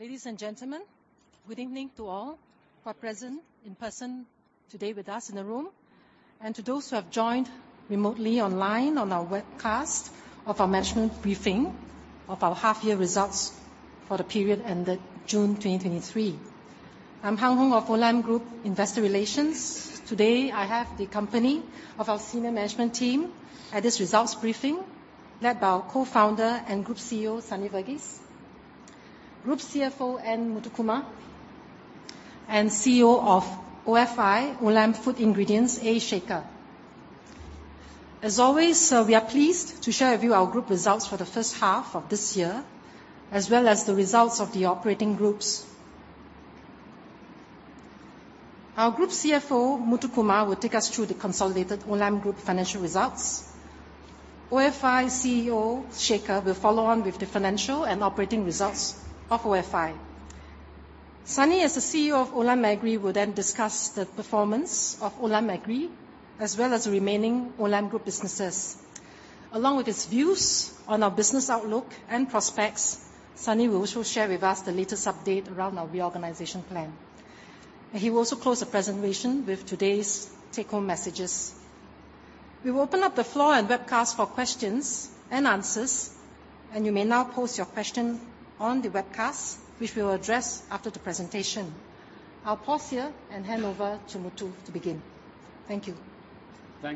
Ladies and gentlemen, good evening to all who are present in person today with us in the room, and to those who have joined remotely online on our webcast of our management briefing of our half-year results for the period ended June 2023. I'm Hung Hoeng of Olam Group Investor Relations. Today, I have the company of our senior management team at this results briefing, led by our co-founder and Group CEO, Sunny Verghese, Group CFO, N. Muthukumar, and CEO of ofi, Olam Food Ingredients, A. Shekhar. As always, we are pleased to share with you our group results for the first half of this year, as well as the results of the operating groups. Our Group CFO, Muthukumar, will take us through the consolidated Olam Group financial results. ofi CEO, Shekhar, will follow on with the financial and operating results of ofi. Sunny, as the CEO of Olam Agri, will then discuss the performance of Olam Agri, as well as the remaining Olam Group businesses. Along with his views on our business outlook and prospects, Sunny will also share with us the latest update around our reorganization plan. He will also close the presentation with today's take-home messages. We will open up the floor and webcast for questions and answers, and you may now post your question on the webcast, which we will address after the presentation. I'll pause here and hand over to Muthu to begin. Thank you. Thank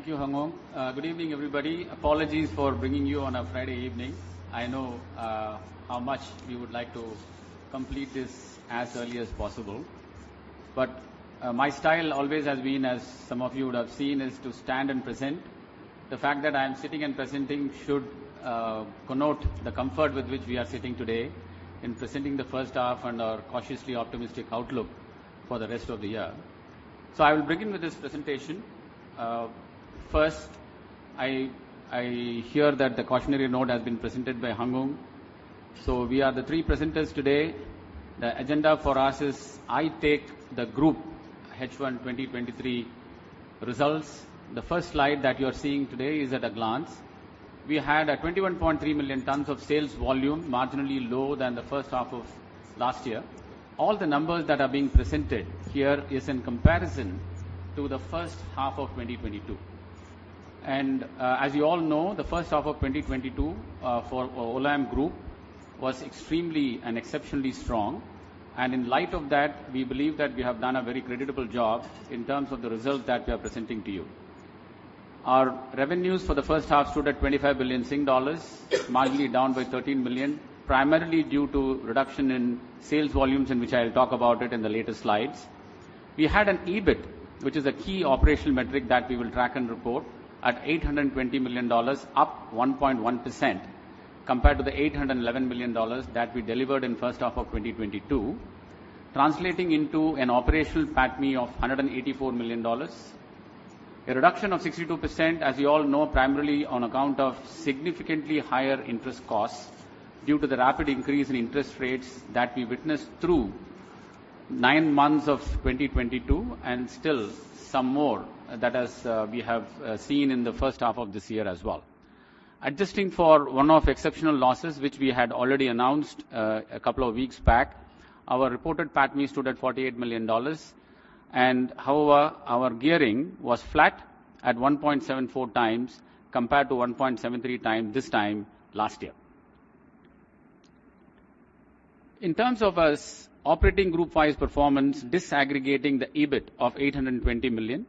you, Hung Hoeng. Good evening, everybody. Apologies for bringing you on a Friday evening. I know how much you would like to complete this as early as possible, but my style always has been, as some of you would have seen, is to stand and present. The fact that I am sitting and presenting should connote the comfort with which we are sitting today in presenting the first half and our cautiously optimistic outlook for the rest of the year. I will begin with this presentation. First, I, I hear that the cautionary note has been presented by Hung Hoeng. We are the three presenters today. The agenda for us is I take the group H1 2023 results. The first slide that you are seeing today is at a glance. We had 21.3 million tons of sales volume, marginally lower than the first half of last year. All the numbers that are being presented here is in comparison to the first half of 2022. As you all know, the first half of 2022 for Olam Group was extremely and exceptionally strong, and in light of that, we believe that we have done a very creditable job in terms of the results that we are presenting to you. Our revenues for the first half stood at 25 billion dollars, marginally down by 13 billion, primarily due to reduction in sales volumes, in which I will talk about it in the later slides. We had an EBIT, which is a key operational metric that we will track and report, at $820 million, up 1.1% compared to the $811 million that we delivered in first half of 2022, translating into an operational PATMI of $184 million. A reduction of 62%, as you all know, primarily on account of significantly higher interest costs due to the rapid increase in interest rates that we witnessed through nine months of 2022, and still some more that as we have seen in the first half of this year as well. Adjusting for one-off exceptional losses, which we had already announced a couple of weeks back, our reported PATMI stood at $48 million. However, our gearing was flat at 1.74 times compared to 1.73 times this time last year. In terms of us operating group-wise performance, disaggregating the EBIT of $820 million,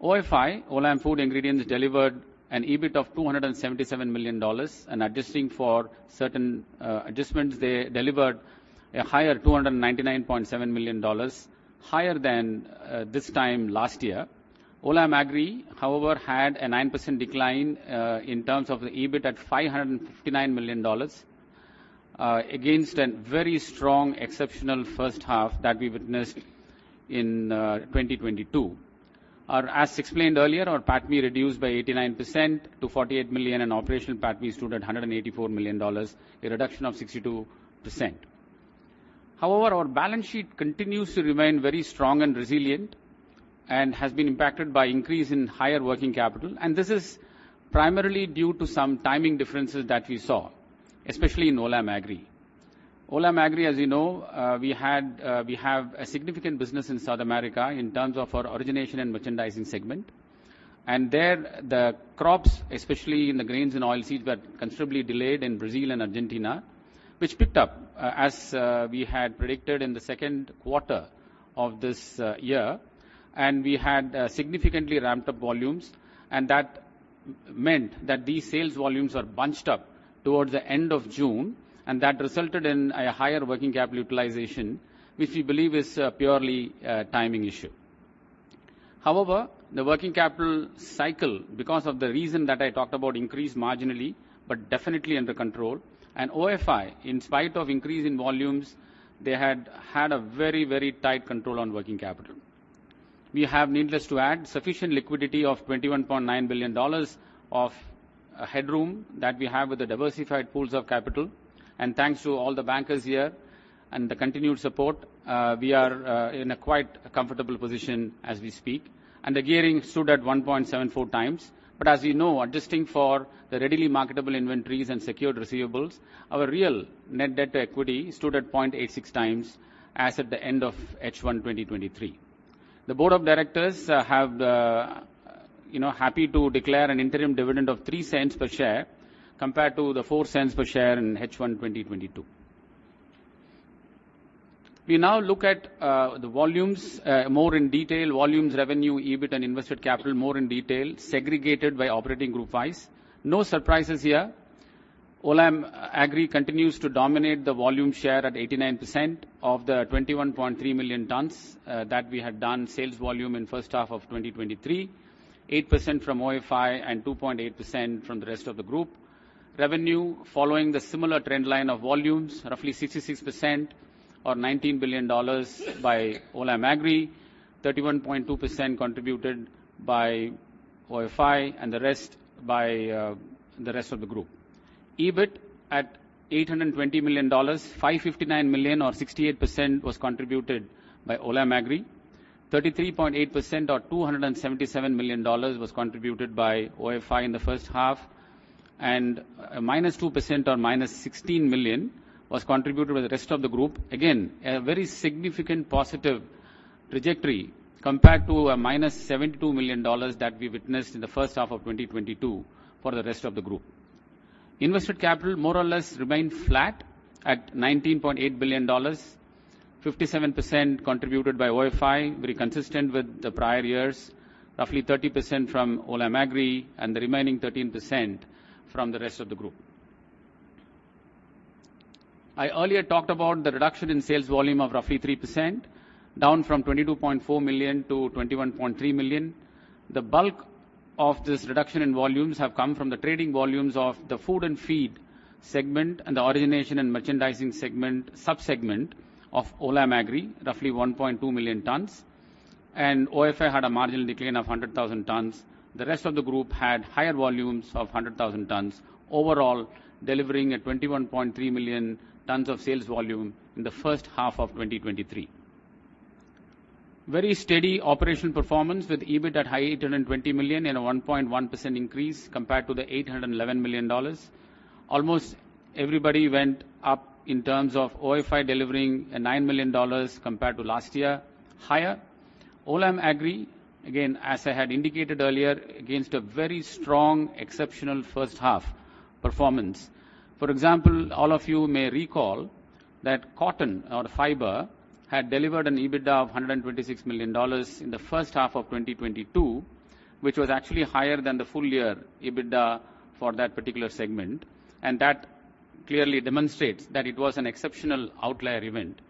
ofi, Olam Food Ingredients, delivered an EBIT of $277 million. Adjusting for certain adjustments, they delivered a higher $299.7 million, higher than this time last year. Olam Agri, however, had a 9% decline in terms of the EBIT at $559 million against a very strong, exceptional first half that we witnessed in 2022. As explained earlier, our PATMI reduced by 89% to $48 million, and operational PATMI stood at $184 million, a reduction of 62%. However, our balance sheet continues to remain very strong and resilient, and has been impacted by increase in higher working capital, and this is primarily due to some timing differences that we saw, especially in Olam Agri. Olam Agri, as you know, We have a significant business in South America in terms of our origination and merchandising segment, and there, the crops, especially in the grains and oilseeds, were considerably delayed in Brazil and Argentina, which picked up, as we had predicted in the Q2 of this year. We had significantly ramped up volumes, and that meant that these sales volumes are bunched up towards the end of June, and that resulted in a higher working capital utilization, which we believe is purely a timing issue. However, the working capital cycle, because of the reason that I talked about, increased marginally, but definitely under control. ofi, in spite of increase in volumes, they had had a very, very tight control on working capital. We have, needless to add, sufficient liquidity of 21.9 billion dollars of headroom that we have with the diversified pools of capital. Thanks to all the bankers here and the continued support, we are in a quite comfortable position as we speak, and the gearing stood at 1.74 times. As you know, adjusting for the Readily Marketable Inventories and secured receivables, our real net debt to equity stood at 0.86 times as at the end of H1 2023. The board of directors, have the, you know, happy to declare an interim dividend of 0.03 per share, compared to the 0.04 per share in H1 2022. We now look at the volumes more in detail. Volumes, revenue, EBIT and invested capital more in detail, segregated by operating group-wise. No surprises here. Olam Agri continues to dominate the volume share at 89% of the 21.3 million tons that we had done sales volume in first half of 2023, 8% from ofi and 2.8% from the rest of the group. Revenue, following the similar trend line of volumes, roughly 66% or $19 billion by Olam Agri, 31.2% contributed by ofi and the rest by the rest of the group. EBIT at $820 million, $559 million or 68% was contributed by Olam Agri. 33.8% or $277 million was contributed by ofi in the first half. Minus 2% or -$16 million was contributed by the rest of the group. Again, a very significant positive trajectory compared to a -$72 million that we witnessed in the first half of 2022 for the rest of the group. Invested capital more or less remained flat at $19.8 billion, 57% contributed by ofi, very consistent with the prior years, roughly 30% from Olam Agri, and the remaining 13% from the rest of the group. I earlier talked about the reduction in sales volume of roughly 3%, down from 22.4 million to 21.3 million. The bulk of this reduction in volumes have come from the trading volumes of the food and feed segment, and the origination and merchandising segment, sub-segment of Olam Agri, roughly 1.2 million tons, and ofi had a marginal decline of 100,000 tons. The rest of the group had higher volumes of 100,000 tons, overall, delivering a 21.3 million tons of sales volume in the first half of 2023. Very steady operational performance, with EBIT at high $820 million in a 1.1% increase compared to the $811 million. Almost everybody went up in terms of ofi delivering a $9 million compared to last year, higher. Olam Agri, again, as I had indicated earlier, against a very strong exceptional first half performance. For example, all of you may recall that cotton or fiber had delivered an EBITDA of $126 million in H1 2022, which was actually higher than the full year EBITDA for that particular segment. That clearly demonstrates that it was an exceptional outlier event.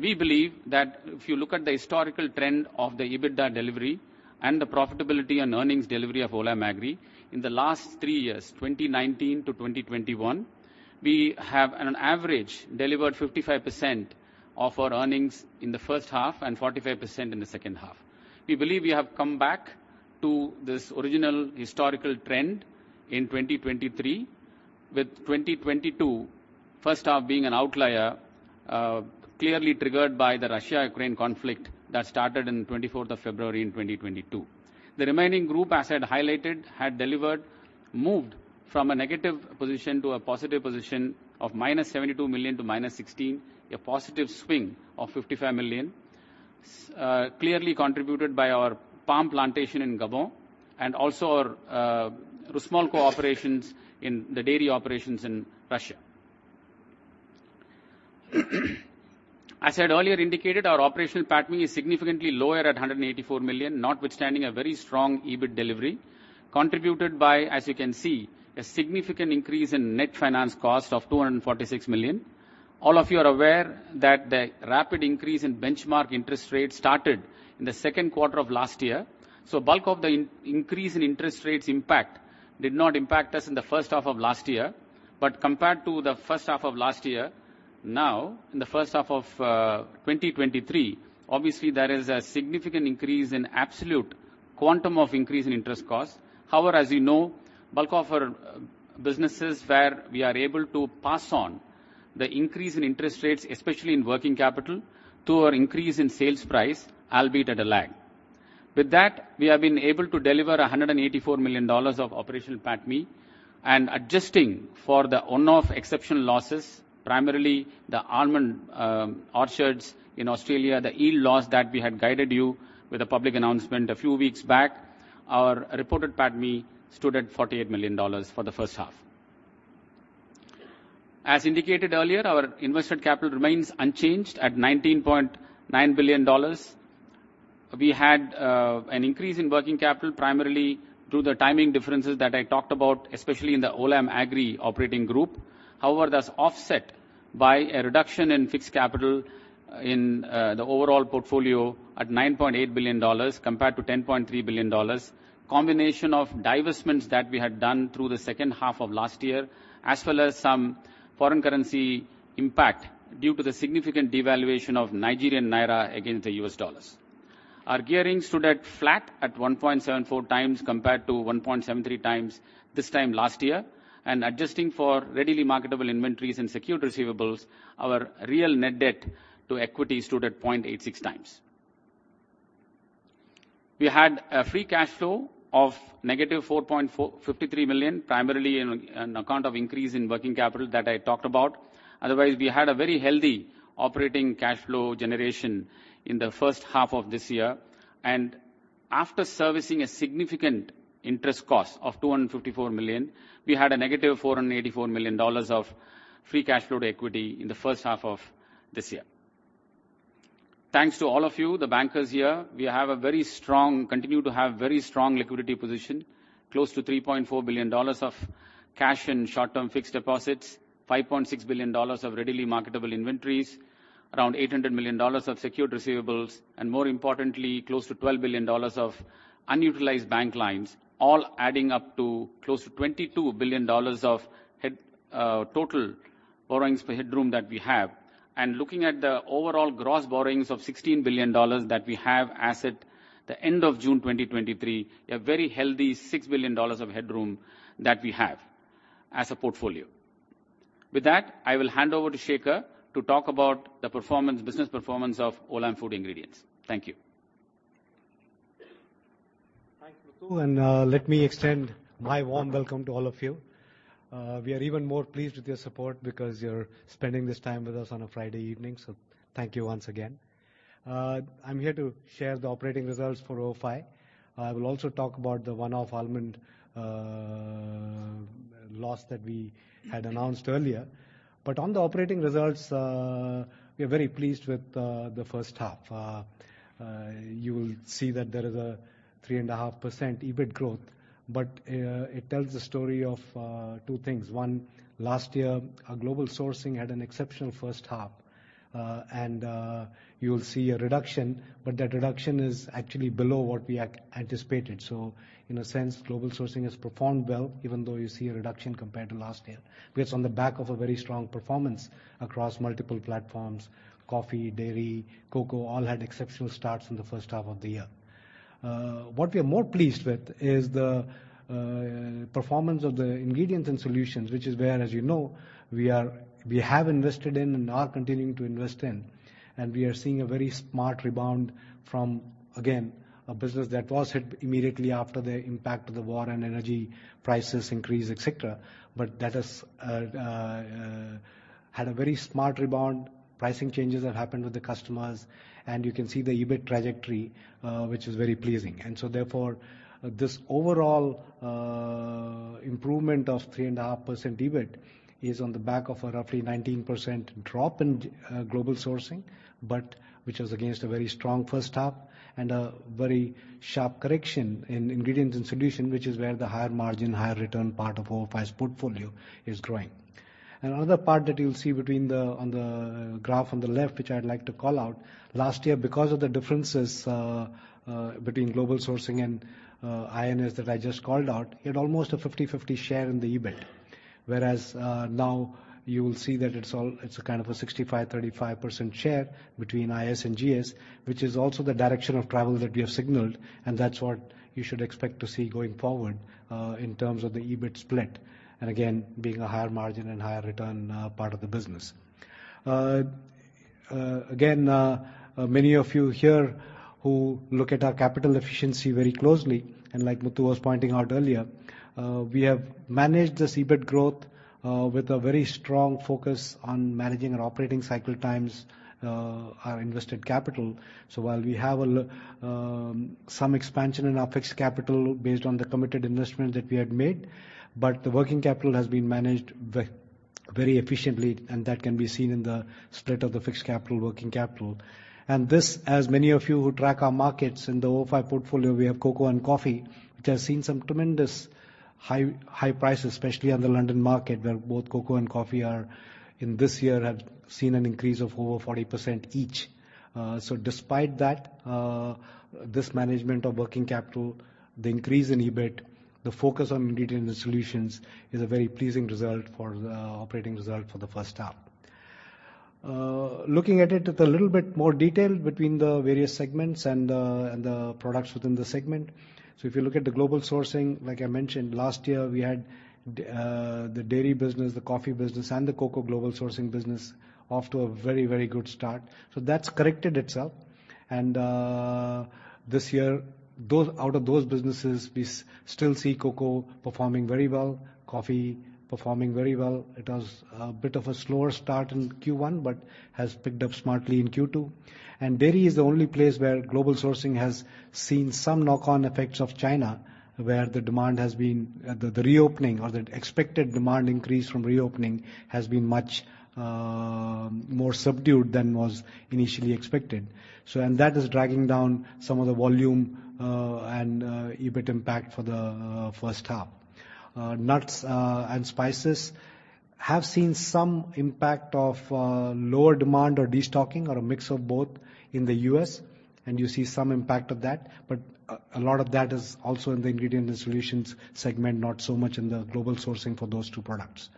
We believe that if you look at the historical trend of the EBITDA delivery and the profitability and earnings delivery of Olam Agri in the last three years, 2019-2021, we have on average, delivered 55% of our earnings in H1 and 45% in H2. We believe we have come back to this original historical trend in 2023, with 2022 H1 being an outlier, clearly triggered by the Russia-Ukraine conflict that started on February 24, 2022. The remaining group, as I had highlighted, had delivered, moved from a negative position to a positive position of -72 million to -16 million, a positive swing of 55 million, clearly contributed by our palm plantation in Gabon and also our small cooperations in the dairy operations in Russia. As I had earlier indicated, our operational PATMI is significantly lower at 184 million, notwithstanding a very strong EBIT delivery, contributed by, as you can see, a significant increase in net finance cost of 246 million. All of you are aware that the rapid increase in benchmark interest rates started in the Q2 of last year. Bulk of the in-increase in interest rates impact did not impact us in H1 of last year. Compared to the first half of last year, now, in the first half of 2023, obviously, there is a significant increase in absolute quantum of increase in interest costs. However, as you know, bulk of our businesses where we are able to pass on the increase in interest rates, especially in working capital, to our increase in sales price, albeit at a lag. With that, we have been able to deliver 184 million dollars of operational PATMI, and adjusting for the one-off exceptional losses, primarily the almond orchards in Australia, the yield loss that we had guided you with a public announcement a few weeks back, our reported PATMI stood at 48 million dollars for the first half. As indicated earlier, our invested capital remains unchanged at 19.9 billion dollars. We had an increase in working capital, primarily through the timing differences that I talked about, especially in the Olam Agri operating group. However, that's offset by a reduction in fixed capital in the overall portfolio at 9.8 billion dollars compared to 10.3 billion dollars. Combination of divestments that we had done through the second half of last year, as well as some foreign currency impact, due to the significant devaluation of Nigerian naira against the U.S. dollar. Our gearing stood at flat at 1.74 times compared to 1.73 times this time last year, and adjusting for Readily Marketable Inventories and secured receivables, our real net debt to equity stood at 0.86 times. We had a free cash flow of -$4.453 million, primarily on account of increase in working capital that I talked about. Otherwise, we had a very healthy operating cash flow generation in H1 of this year. After servicing a significant interest cost of $254 million, we had a negative -$484 million of free cash flow to equity in H1 of this year. Thanks to all of you, the bankers here, we have a very strong-- continue to have very strong liquidity position, close to $3.4 billion of cash and short-term fixed deposits, $5.6 billion of Readily Marketable Inventories, around $800 million of secured receivables, and more importantly, close to $12 billion of unutilized bank lines, all adding up to close to $22 billion of total borrowings for headroom that we have. Looking at the overall gross borrowings of $16 billion that we have as at the end of June 2023, a very healthy $6 billion of headroom that we have as a portfolio. With that, I will hand over to Shekhar to talk about the performance, business performance of Olam Food Ingredients. Thank you. Thanks, Muthu, let me extend my warm welcome to all of you. We are even more pleased with your support because you're spending this time with us on a Friday evening, so thank you once again. I'm here to share the operating results for ofi. I will also talk about the one-off almond loss that we had announced earlier. On the operating results, we are very pleased with the first half. You will see that there is a 3.5% EBIT growth, but it tells a story of two things. One, last year, our Global Sourcing had an exceptional first half, and you'll see a reduction, but that reduction is actually below what we anticipated. In a sense, Global Sourcing has performed well, even though you see a reduction compared to last year. It's on the back of a very strong performance across multiple platforms, coffee, dairy, cocoa, all had exceptional starts in the first half of the year. What we are more pleased with is the performance of the Ingredients & Solutions, which is where, as you know, we have invested in and are continuing to invest in. We are seeing a very smart rebound from, again, a business that was hit immediately after the impact of the war and energy prices increase, et cetera. That has had a very smart rebound. Pricing changes have happened with the customers, and you can see the EBIT trajectory, which is very pleasing. Therefore, this overall improvement of 3.5% EBIT is on the back of a roughly 19% drop in Global Sourcing, but which was against a very strong first half and a very sharp correction in Ingredients & Solutions, which is where the higher margin, higher return part of ofi's portfolio is growing. Another part that you'll see on the graph on the left, which I'd like to call out, last year, because of the differences between Global Sourcing and INS that I just called out, it had almost a 50/50 share in the EBIT. Now you will see that it's a kind of a 65%, 35% share between IS and GS, which is also the direction of travel that we have signaled, and that's what you should expect to see going forward, in terms of the EBIT split, and again, being a higher margin and higher return, part of the business. Again, many of you here who look at our capital efficiency very closely, and like Muthu was pointing out earlier, we have managed the EBIT growth, with a very strong focus on managing our operating cycle times, our invested capital. While we have some expansion in our fixed capital based on the committed investment that we had made, the working capital has been managed very efficiently, and that can be seen in the split of the fixed capital, working capital. This, as many of you who track our markets, in the ofi portfolio, we have cocoa and coffee, which has seen some tremendous high, high prices, especially on the London market, where both cocoa and coffee are, in this year, have seen an increase of over 40% each. Despite that, this management of working capital, the increase in EBIT, the focus on ingredients and solutions, is a very pleasing result for the operating result for the first half. Looking at it with a little bit more detail between the various segments and the, and the products within the segment. If you look at the Global Sourcing, like I mentioned, last year, we had the dairy business, the coffee business, and the cocoa Global Sourcing business off to a very, very good start. That's corrected itself. This year, those out of those businesses, we still see cocoa performing very well, coffee performing very well. It was a bit of a slower start in Q1, but has picked up smartly in Q2. Dairy is the only place where Global Sourcing has seen some knock-on effects of China, where the demand has been. The reopening or the expected demand increase from reopening has been much more subdued than was initially expected. That is dragging down some of the volume and EBIT impact for the first half. Nuts and spices have seen some impact of lower demand or destocking or a mix of both in the U.S., and you see some impact of that. A lot of that is also in the Ingredients & Solutions segment, not so much in the Global Sourcing for those two products.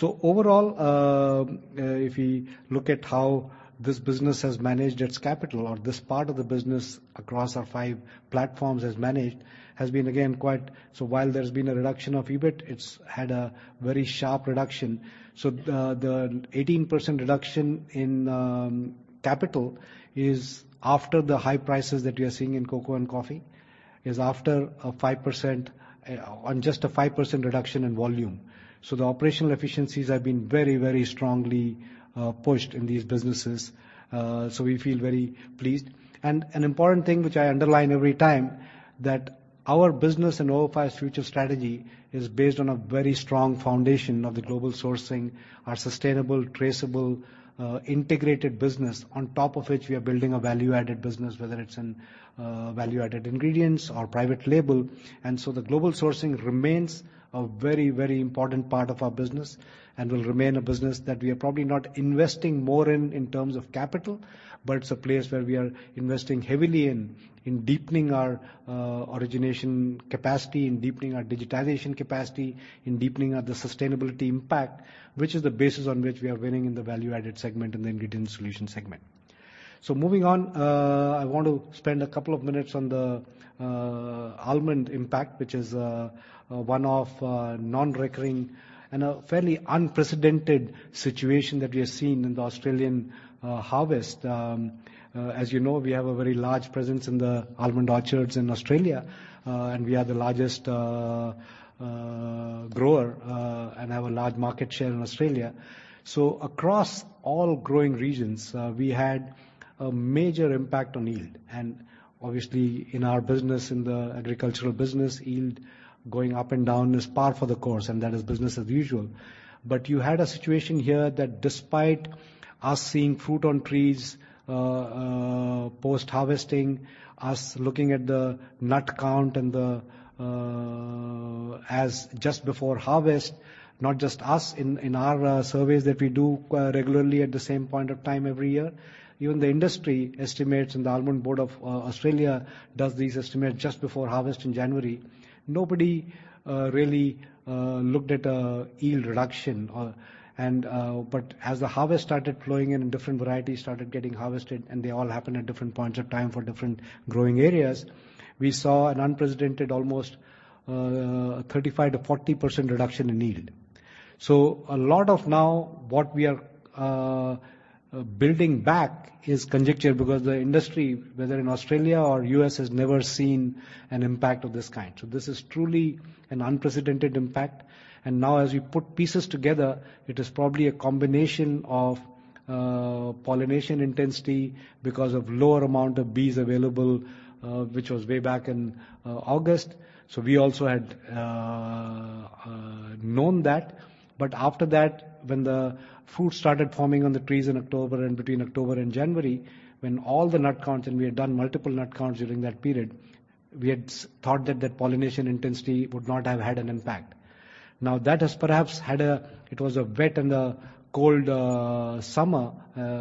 Overall, if we look at how this business has managed its capital or this part of the business across our five platforms has managed, has been again, quite. While there's been a reduction of EBIT, it's had a very sharp reduction. The 18% reduction in capital is after the high prices that we are seeing in cocoa and coffee, is after a 5% on just a 5% reduction in volume. The operational efficiencies have been very, very strongly pushed in these businesses, so we feel very pleased. An important thing, which I underline every time, that our business and ofi's future strategy is based on a very strong foundation of the Global Sourcing, our sustainable, traceable, integrated business. On top of which, we are building a value-added business, whether it's in value-added ingredients or private label. The Global Sourcing remains a very, very important part of our business, and will remain a business that we are probably not investing more in, in terms of capital, but it's a place where we are investing heavily in, in deepening our origination capacity, in deepening our digitization capacity, in deepening the sustainability impact, which is the basis on which we are winning in the value-added segment and the Ingredients & Solutions segment. Moving on, I want to spend a couple of minutes on the almond impact, which is a one-off, non-recurring and a fairly unprecedented situation that we have seen in the Australian harvest. As you know, we have a very large presence in the almond orchards in Australia, and we are the largest grower and have a large market share in Australia. Across all growing regions, we had a major impact on yield. Obviously, in our business, in the agricultural business, yield going up and down is par for the course, and that is business as usual. You had a situation here that despite us seeing fruit on trees, post-harvesting, us looking at the nut count and the, as just before harvest, not just us in, in our, surveys that we do, regularly at the same point of time every year. Even the industry estimates, and the Almond Board of Australia does these estimates just before harvest in January, nobody, really, looked at a yield reduction or... But as the harvest started flowing in, and different varieties started getting harvested, and they all happened at different points of time for different growing areas, we saw an unprecedented, almost, 35%-40% reduction in yield. A lot of now, what we are building back is conjecture, because the industry, whether in Australia or U.S., has never seen an impact of this kind. This is truly an unprecedented impact. Now as we put pieces together, it is probably a combination of pollination intensity because of lower amount of bees available, which was way back in August. We also had known that. After that, when the fruit started forming on the trees in October, and between October and January, when all the nut counts, and we had done multiple nut counts during that period, we had thought that that pollination intensity would not have had an impact. That has perhaps It was a wet and a cold summer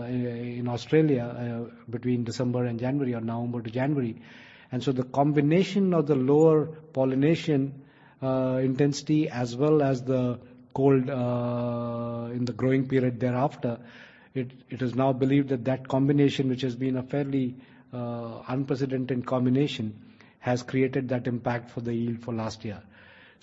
in Australia between December and January or November to January. The combination of the lower pollination intensity, as well as the cold in the growing period thereafter, it, it is now believed that that combination, which has been a fairly unprecedented combination, has created that impact for the yield for last year.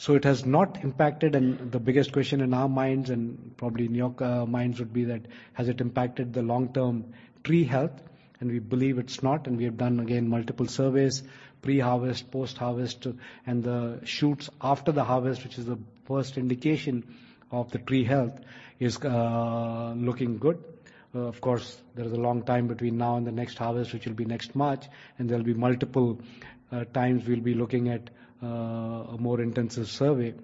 It has not impacted, and the biggest question in our minds, and probably in your minds, would be that, has it impacted the long-term tree health? We believe it's not, and we have done, again, multiple surveys, pre-harvest, post-harvest, and the shoots after the harvest, which is the first indication of the tree health, is looking good. Of course, there is a long time between now and the next harvest, which will be next March, and there'll be multiple times we'll be looking at a more intensive survey.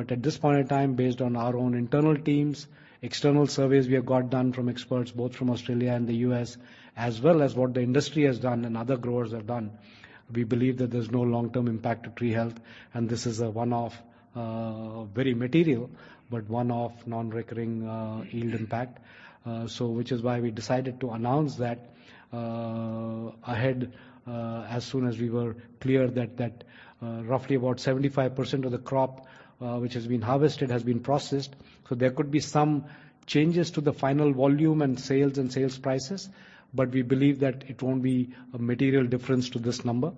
At this point in time, based on our own internal teams, external surveys we have got done from experts, both from Australia and the U.S., as well as what the industry has done and other growers have done, we believe that there's no long-term impact to tree health, and this is a one-off, very material, but one-off non-recurring, yield impact. Which is why we decided to announce that ahead as soon as we were clear that that roughly about 75% of the crop which has been harvested, has been processed. There could be some changes to the final volume and sales and sales prices, but we believe that it won't be a material difference to this number,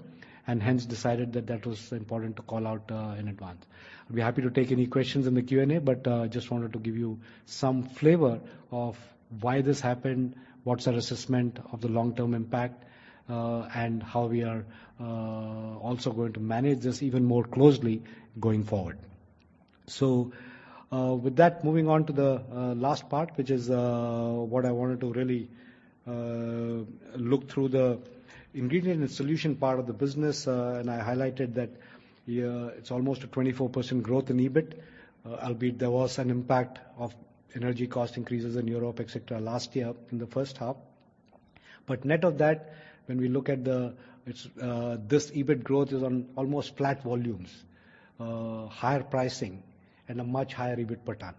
and hence decided that that was important to call out in advance. I'd be happy to take any questions in the Q&A, but just wanted to give you some flavor of why this happened, what's our assessment of the long-term impact, and how we are also going to manage this even more closely going forward. With that, moving on to the last part, which is what I wanted to really look through the ingredient and solution part of the business, and I highlighted that it's almost a 24% growth in EBIT. Albeit there was an impact of energy cost increases in Europe, et cetera, last year in the first half. Net of that, when we look at the, it's, this EBIT growth is on almost flat volumes, higher pricing and a much higher EBIT per ton.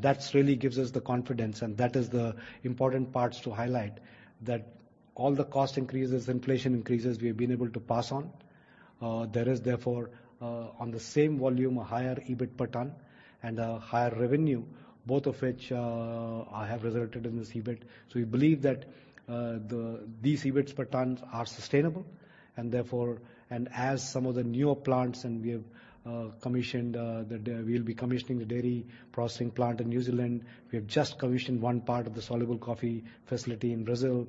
That really gives us the confidence, and that is the important parts to highlight, that all the cost increases, inflation increases, we've been able to pass on. There is therefore, on the same volume, a higher EBIT per ton and a higher revenue, both of which have resulted in this EBIT. We believe these EBIT per ton are sustainable, and therefore, as some of the newer plants we have commissioned, that we'll be commissioning the dairy processing plant in New Zealand. We have just commissioned one part of the soluble coffee facility in Brazil.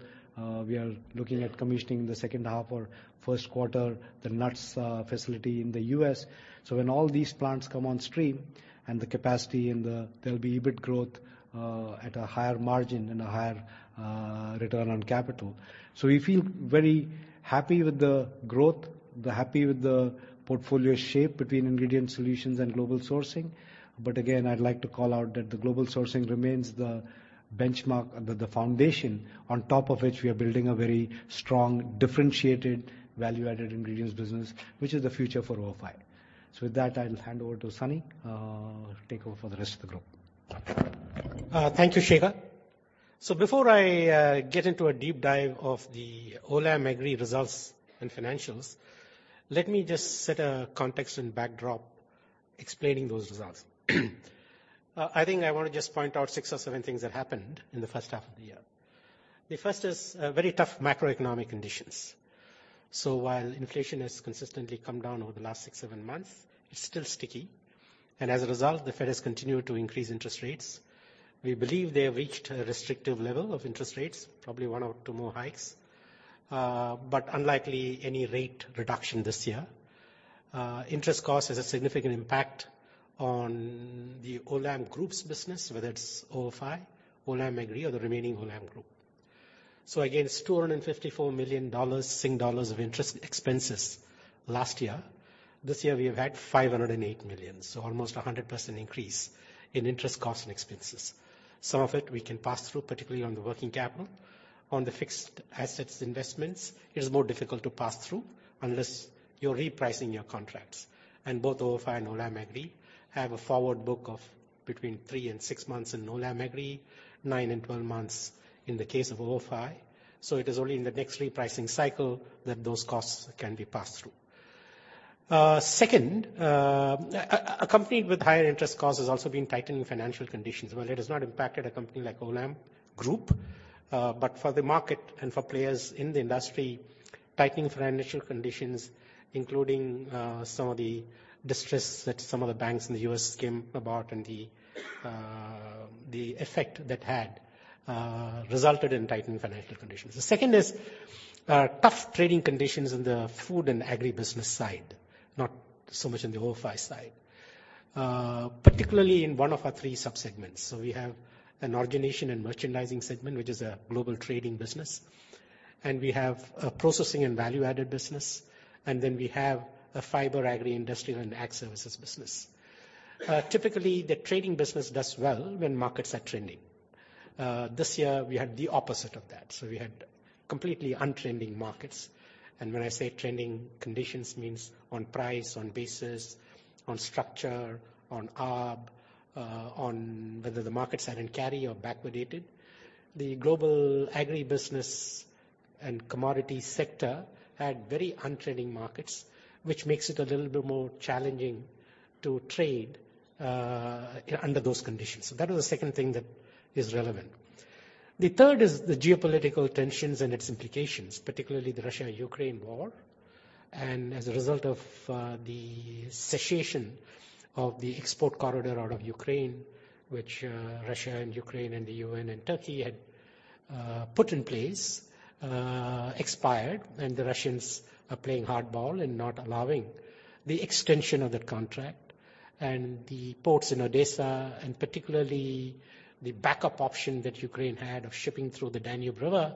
We are looking at commissioning the second half or Q1, the nuts facility in the U.S. When all these plants come on stream and the capacity and there'll be EBIT growth at a higher margin and a higher return on capital. We feel very happy with the growth, happy with the portfolio shape between Ingredients & Solutions and Global Sourcing. Again, I'd like to call out that the global sourcing remains the benchmark, the, the foundation on top of which we are building a very strong, differentiated, value-added ingredients business, which is the future for ofi. With that, I'll hand over to Sunny, take over for the rest of the group. Thank you, Shekhar. Before I get into a deep dive of the Olam Agri results and financials, let me just set a context and backdrop explaining those results. I think I want to just point out six or seven things that happened in the first half of the year. The first is very tough macroeconomic conditions. While inflation has consistently come down over the last six, seven months, it's still sticky, and as a result, the Fed has continued to increase interest rates. We believe they have reached a restrictive level of interest rates, probably one or two more hikes, but unlikely any rate reduction this year. Interest costs has a significant impact on the Olam Group's business, whether it's ofi, Olam Agri, or the remaining Olam Group. Again, 254 million Sing dollars of interest expenses last year. This year, we have had 508 million, so almost a 100% increase in interest costs and expenses. Some of it we can pass through, particularly on the working capital. On the fixed assets investments, it is more difficult to pass through unless you're repricing your contracts. Both ofi and Olam Agri have a forward book of between three to six months in Olam Agri, nine to 12 months in the case of ofi. It is only in the next repricing cycle that those costs can be passed through. Second, accompanied with higher interest costs has also been tightening financial conditions. While it has not impacted a company like Olam Group, but for the market and for players in the industry, tightening financial conditions, including some of the distress that some of the banks in the U.S. came about and the effect that had, resulted in tightened financial conditions. The second is tough trading conditions in the food and agri business side, not so much in the ofi side, particularly in one of our three subsegments. We have an origination and merchandising segment, which is a global trading business, and we have a processing and value-added business, and then we have a fiber, agri, industrial, and ag services business. Typically, the trading business does well when markets are trending. This year, we had the opposite of that. We had completely untrending markets. When I say trending conditions, means on price, on basis, on structure, on arb, on whether the markets are in carry or backwardated. The global agri business and commodity sector had very untrending markets, which makes it a little bit more challenging to trade under those conditions. That was the second thing that is relevant. The third is the geopolitical tensions and its implications, particularly the Russia-Ukraine war. As a result of the cessation of the export corridor out of Ukraine, which Russia and Ukraine and the UN and Turkey had put in place, expired, and the Russians are playing hardball and not allowing the extension of that contract. The ports in Odessa, and particularly the backup option that Ukraine had of shipping through the Danube River,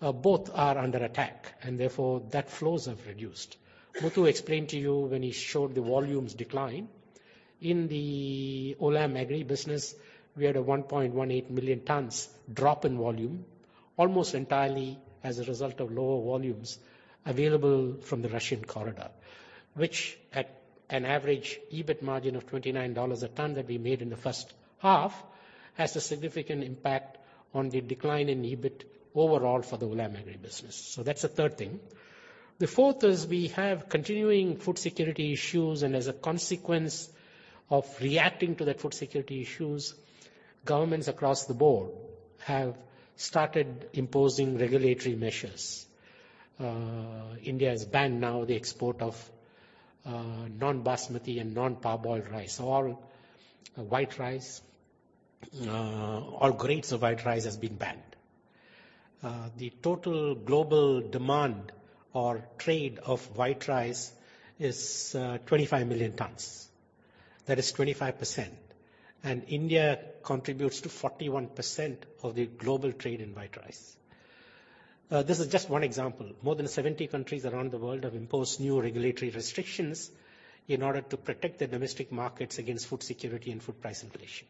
both are under attack, and therefore, that flows have reduced. Muthu explained to you when he showed the volumes decline. In the Olam Agri business, we had a 1.18 million tons drop in volume, almost entirely as a result of lower volumes available from the Russian corridor, which at an average EBIT margin of $29 a ton that we made in the first half, has a significant impact on the decline in EBIT overall for the Olam Agri business. That's the third thing. The fourth is we have continuing food security issues, and as a consequence of reacting to the food security issues, governments across the board have started imposing regulatory measures. India has banned now the export of non-basmati and non-parboiled rice. All white rice, all grades of white rice has been banned. The total global demand or trade of white rice is 25 million tons. That is 25%, and India contributes to 41% of the global trade in white rice. This is just one example. More than 70 countries around the world have imposed new regulatory restrictions in order to protect their domestic markets against food security and food price inflation.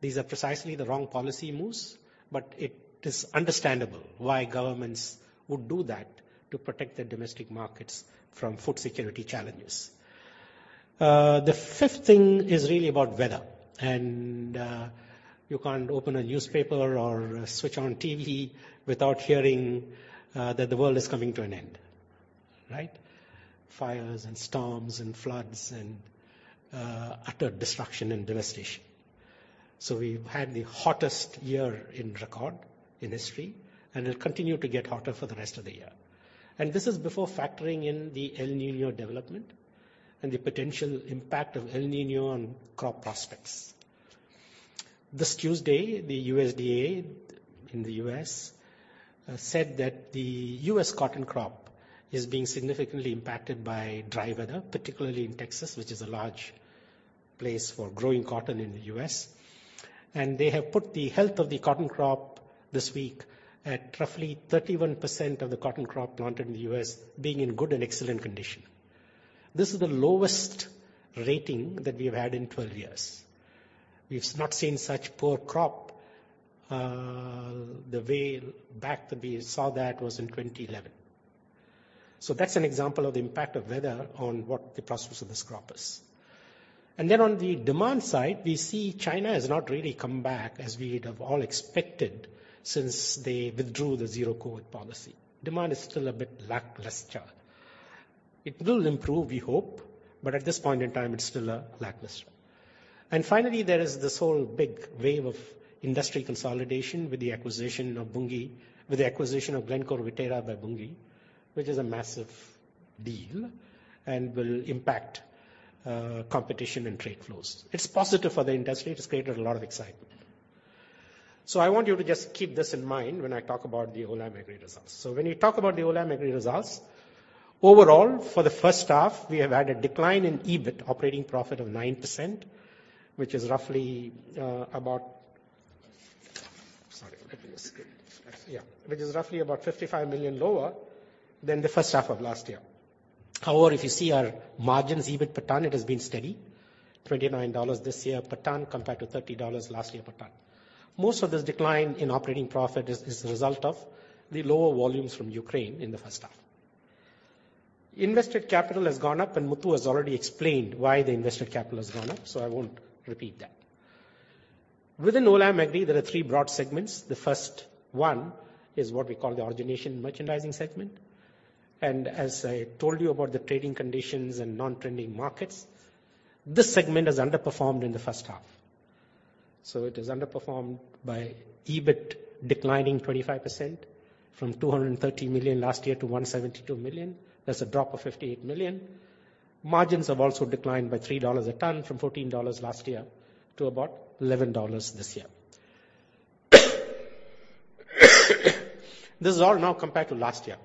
These are precisely the wrong policy moves, but it is understandable why governments would do that to protect their domestic markets from food security challenges. The fifth thing is really about weather, and you can't open a newspaper or switch on TV without hearing that the world is coming to an end. Right? Fires and storms, and floods, and utter destruction and devastation. We've had the hottest year in record in history, and it'll continue to get hotter for the rest of the year. This is before factoring in the El Niño development and the potential impact of El Niño on crop prospects. This Tuesday, the USDA in the U.S., said that the U.S. cotton crop is being significantly impacted by dry weather, particularly in Texas, which is a large place for growing cotton in the U.S. They have put the health of the cotton crop this week at roughly 31% of the cotton crop planted in the U.S. being in good and excellent condition. This is the lowest rating that we have had in 12 years. We've not seen such poor crop, the way back that we saw that was in 2011. That's an example of the impact of weather on what the prospects of this crop is. On the demand side, we see China has not really come back as we'd have all expected since they withdrew the zero COVID policy. Demand is still a bit lackluster. It will improve, we hope, but at this point in time, it's still lackluster. Finally, there is this whole big wave of industry consolidation with the acquisition of Glencore Viterra by Bunge, which is a massive deal and will impact competition and trade flows. It's positive for the industry. It's created a lot of excitement. I want you to just keep this in mind when I talk about the Olam Agri results. When you talk about the Olam Agri results, overall, for the first half, we have had a decline in EBIT operating profit of 9%, which is roughly about. Sorry, look at the screen. Yeah. Which is roughly about $55 million lower than the first half of last year. However, if you see our margins, EBIT per ton, it has been steady, $29 this year per ton, compared to $30 last year per ton. Most of this decline in operating profit is a result of the lower volumes from Ukraine in the first half. Invested capital has gone up, and Muthu has already explained why the invested capital has gone up, so I won't repeat that. Within Olam Agri, there are three broad segments. The first one is what we call the origination and merchandising segment, and as I told you about the trading conditions and non-trending markets, this segment has underperformed in the first half. It is underperformed by EBIT declining 25% from $230 million last year to $172 million. That's a drop of $58 million. Margins have also declined by $3 a ton from $14 last year to about $11 this year. This is all now compared to last year,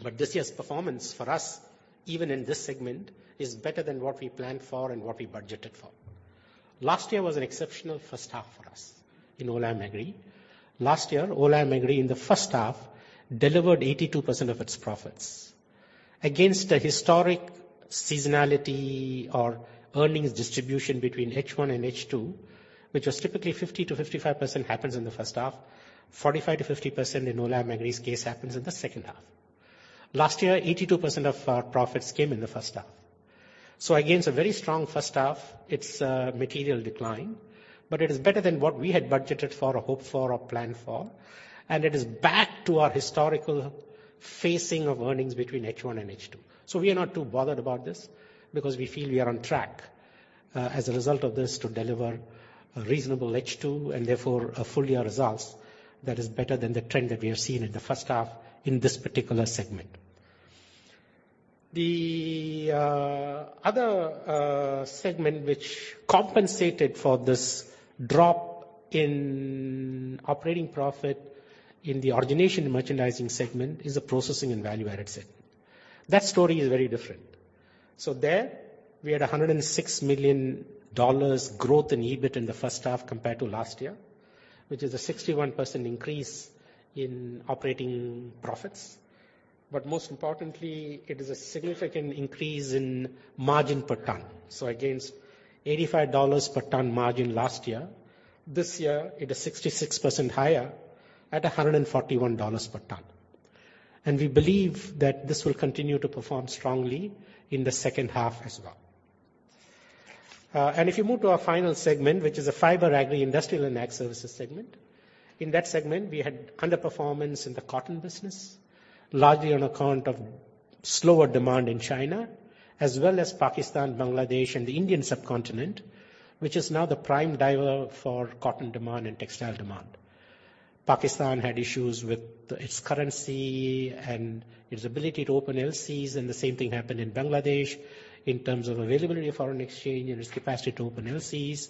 but this year's performance for us, even in this segment, is better than what we planned for and what we budgeted for. Last year was an exceptional first half for us in Olam Agri. Last year, Olam Agri, in the first half, delivered 82% of its profits. Against the historic seasonality or earnings distribution between H1 and H2, which was typically 50%-55% happens in the first half, 45%-50% in Olam Agri's case happens in the second half. Last year, 82% of our profits came in the first half. Against a very strong first half, it's a material decline, but it is better than what we had budgeted for, or hoped for, or planned for, and it is back to our historical phasing of earnings between H1 and H2. We are not too bothered about this because we feel we are on track, as a result of this, to deliver a reasonable H2 and therefore, a full year results that is better than the trend that we have seen in the first half in this particular segment. The other segment which compensated for this drop in operating profit in the origination and merchandising segment is the processing and value-added segment. That story is very different. There we had $106 million growth in EBIT in the first half compared to last year, which is a 61% increase in operating profits. Most importantly, it is a significant increase in margin per ton. Against $85 per ton margin last year, this year it is 66% higher at $141 per ton. And we believe that this will continue to perform strongly in the second half as well. If you move to our final segment, which is a fiber, agri, industrial, and ag services segment. In that segment, we had underperformance in the cotton business, largely on account of slower demand in China, as well as Pakistan, Bangladesh, and the Indian subcontinent, which is now the prime driver for cotton demand and textile demand. Pakistan had issues with its currency and its ability to open LCs, and the same thing happened in Bangladesh in terms of availability of foreign exchange and its capacity to open LCs.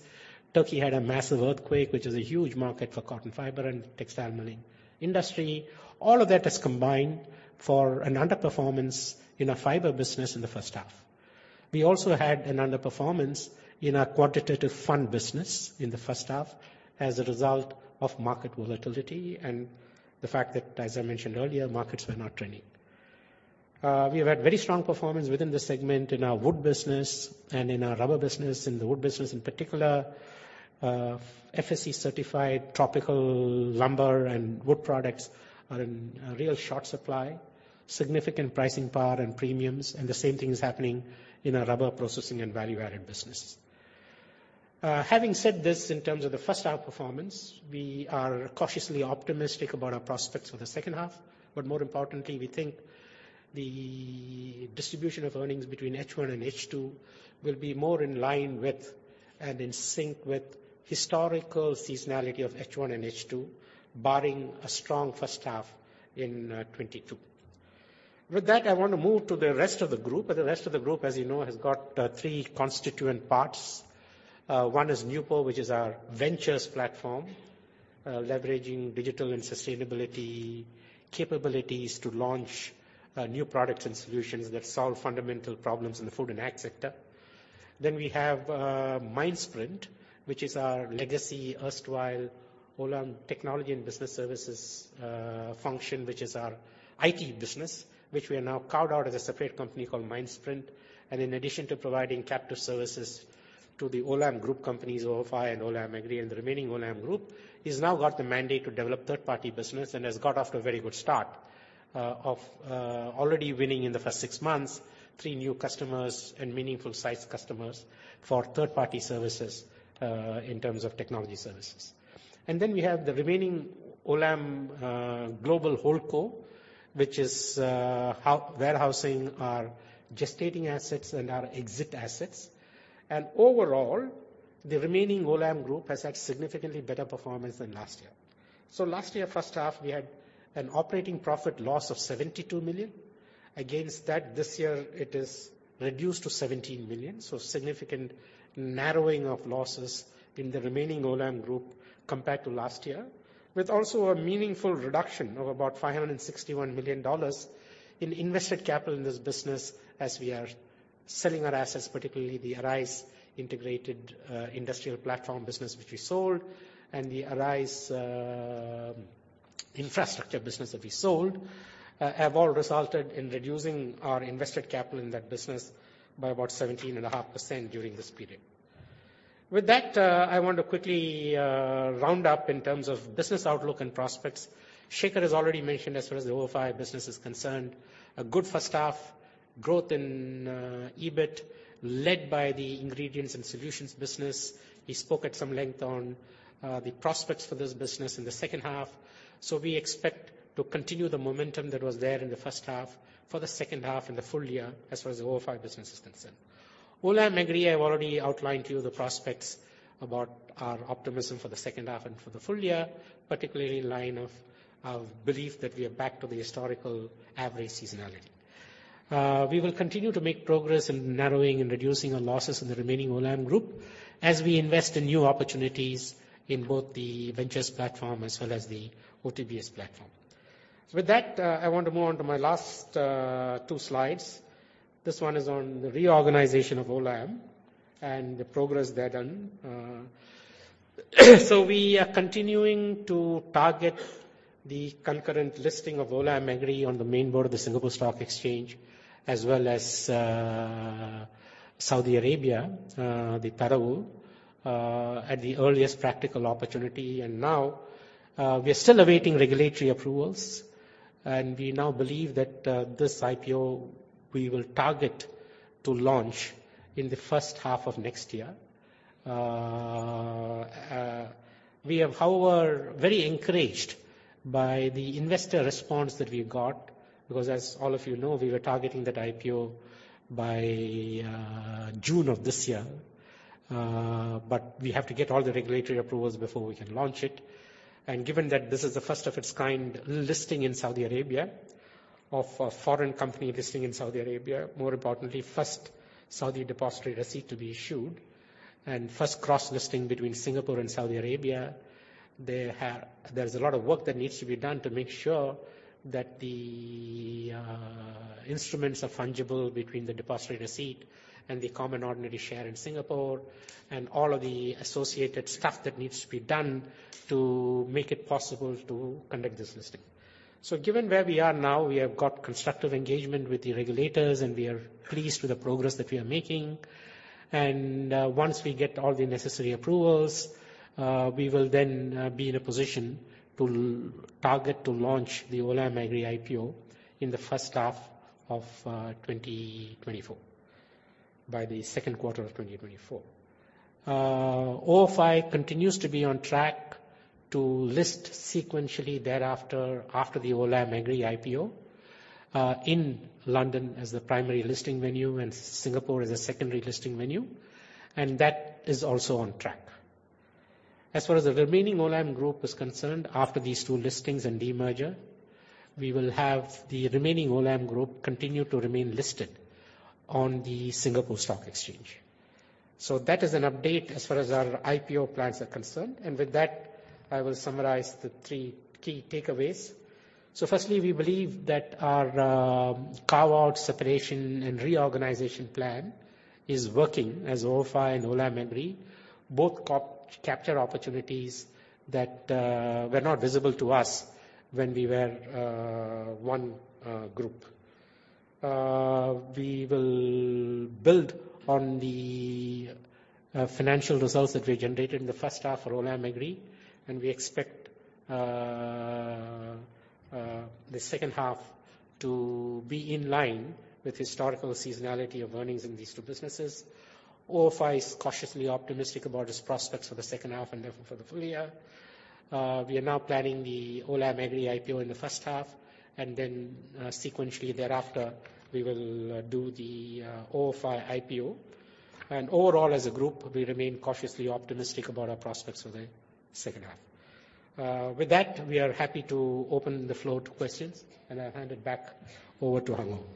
Turkey had a massive earthquake, which is a huge market for cotton fiber and textile milling industry. All of that has combined for an underperformance in our fiber business in the first half. We also had an underperformance in our quantitative fund business in the first half as a result of market volatility and the fact that, as I mentioned earlier, markets were not trending. We have had very strong performance within this segment in our wood business and in our rubber business. In the wood business, in particular, FSC-certified tropical lumber and wood products are in a real short supply, significant pricing power and premiums, and the same thing is happening in our rubber processing and value-added business. Having said this, in terms of the first half performance, we are cautiously optimistic about our prospects for the second half. More importantly, we think the distribution of earnings between H1 and H2 will be more in line with and in sync with historical seasonality of H1 and H2, barring a strong first half in 2022. With that, I want to move to the rest of the group. The rest of the group, as you know, has got three constituent parts. One is Nupo, which is our ventures platform, leveraging digital and sustainability capabilities to launch new products and solutions that solve fundamental problems in the food and ag sector. We have Mindsprint, which is our legacy erstwhile Olam Technology and Business Services function, which is our IT business. Which we have now carved out as a separate company called Mindsprint. In addition to providing captive services to the Olam Group companies, ofi and Olam Agri, and the remaining Olam Group, it's now got the mandate to develop third-party business and has got off to a very good start, of already winning in the first six months, three new customers and meaningful size customers for third-party services, in terms of technology services. We have the remaining Olam Global Holdco, which is warehousing our gestating assets and our exit assets. The remaining Olam Group has had significantly better performance than last year. Last year, first half, we had an operating profit loss of $72 million. Against that, this year it is reduced to $17 million. Significant narrowing of losses in the remaining Olam Group compared to last year, with also a meaningful reduction of about $561 million in invested capital in this business as we are selling our assets, particularly the ARISE Integrated Industrial Platforms business, which we sold, and the ARISE Infrastructure Services business that we sold. Have all resulted in reducing our invested capital in that business by about 17.5% during this period. With that, I want to quickly round up in terms of business outlook and prospects. Shekhar has already mentioned, as far as the ofi business is concerned, a good first half, growth in EBIT, led by the Ingredients & Solutions business. He spoke at some length on the prospects for this business in the second half. We expect to continue the momentum that was there in the first half for the second half and the full year, as far as the ofi business is concerned. Olam Agri, I've already outlined to you the prospects about our optimism for the second half and for the full year, particularly in line of belief that we are back to the historical average seasonality. We will continue to make progress in narrowing and reducing our losses in the Remaining Olam Group as we invest in new opportunities in both the ventures platform as well as the OTBS platform. With that, I want to move on to my last two slides. This one is on the reorganization of Olam and the progress there done. So we are continuing to target the concurrent listing of Olam Agri on the main board of the Singapore Stock Exchange, as well as Saudi Arabia, the Tadawul, at the earliest practical opportunity. Now, we are still awaiting regulatory approvals, and we now believe that this IPO, we will target to launch in the first half of next year. We are, however, very encouraged by the investor response that we got, because as all of you know, we were targeting that IPO by June of this year. We have to get all the regulatory approvals before we can launch it. Given that this is the first of its kind listing in Saudi Arabia, of a foreign company listing in Saudi Arabia, more importantly, first Saudi Depository Receipt to be issued and first cross-listing between Singapore and Saudi Arabia. There's a lot of work that needs to be done to make sure that the instruments are fungible between the Depository Receipt and the common ordinary share in Singapore, and all of the associated stuff that needs to be done to make it possible to conduct this listing. Given where we are now, we have got constructive engagement with the regulators, and we are pleased with the progress that we are making. Once we get all the necessary approvals, we will then be in a position to target to launch the Olam Agri IPO in the first half of 2024, by the Q2 of 2024. ofi continues to be on track to list sequentially thereafter, after the Olam Agri IPO, in London as the primary listing venue and Singapore as a secondary listing venue, and that is also on track. As far as the remaining Olam Group is concerned, after these two listings and demerger, we will have the remaining Olam Group continue to remain listed on the Singapore Stock Exchange. That is an update as far as our IPO plans are concerned, and with that, I will summarize the three key takeaways. Firstly, we believe that our carve-out, separation, and reorganization plan is working, as ofi and Olam Agri both capture opportunities that were not visible to us when we were one group. We will build on the financial results that we generated in the first half for Olam Agri, and we expect the second half to be in line with historical seasonality of earnings in these two businesses. ofi is cautiously optimistic about its prospects for the second half and therefore for the full year. We are now planning the Olam Agri IPO in the first half, and then sequentially thereafter, we will do the ofi IPO. Overall, as a group, we remain cautiously optimistic about our prospects for the second half. With that, we are happy to open the floor to questions, and I hand it back over to Hung Hoeng.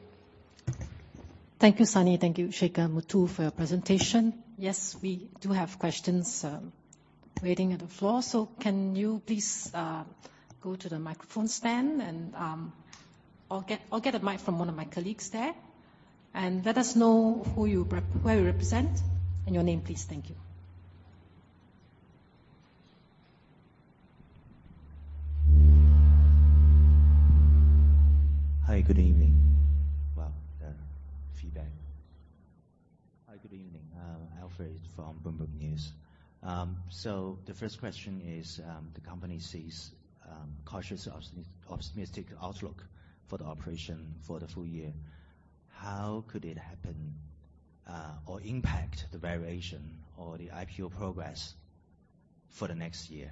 Thank you, Sunny. Thank you, Shekhar and Muthu, for your presentation. Yes, we do have questions, waiting at the floor. Can you please, go to the microphone stand, and, or get a mic from one of my colleagues there, and let us know who you represent, and your name, please. Thank you. Hi, good evening. Well, there are feedback. Hi, good evening, Alfred from Bloomberg News. The first question is, the company sees cautious optimistic outlook for the operation for the full year. How could it happen, or impact the valuation or the IPO progress for the next year?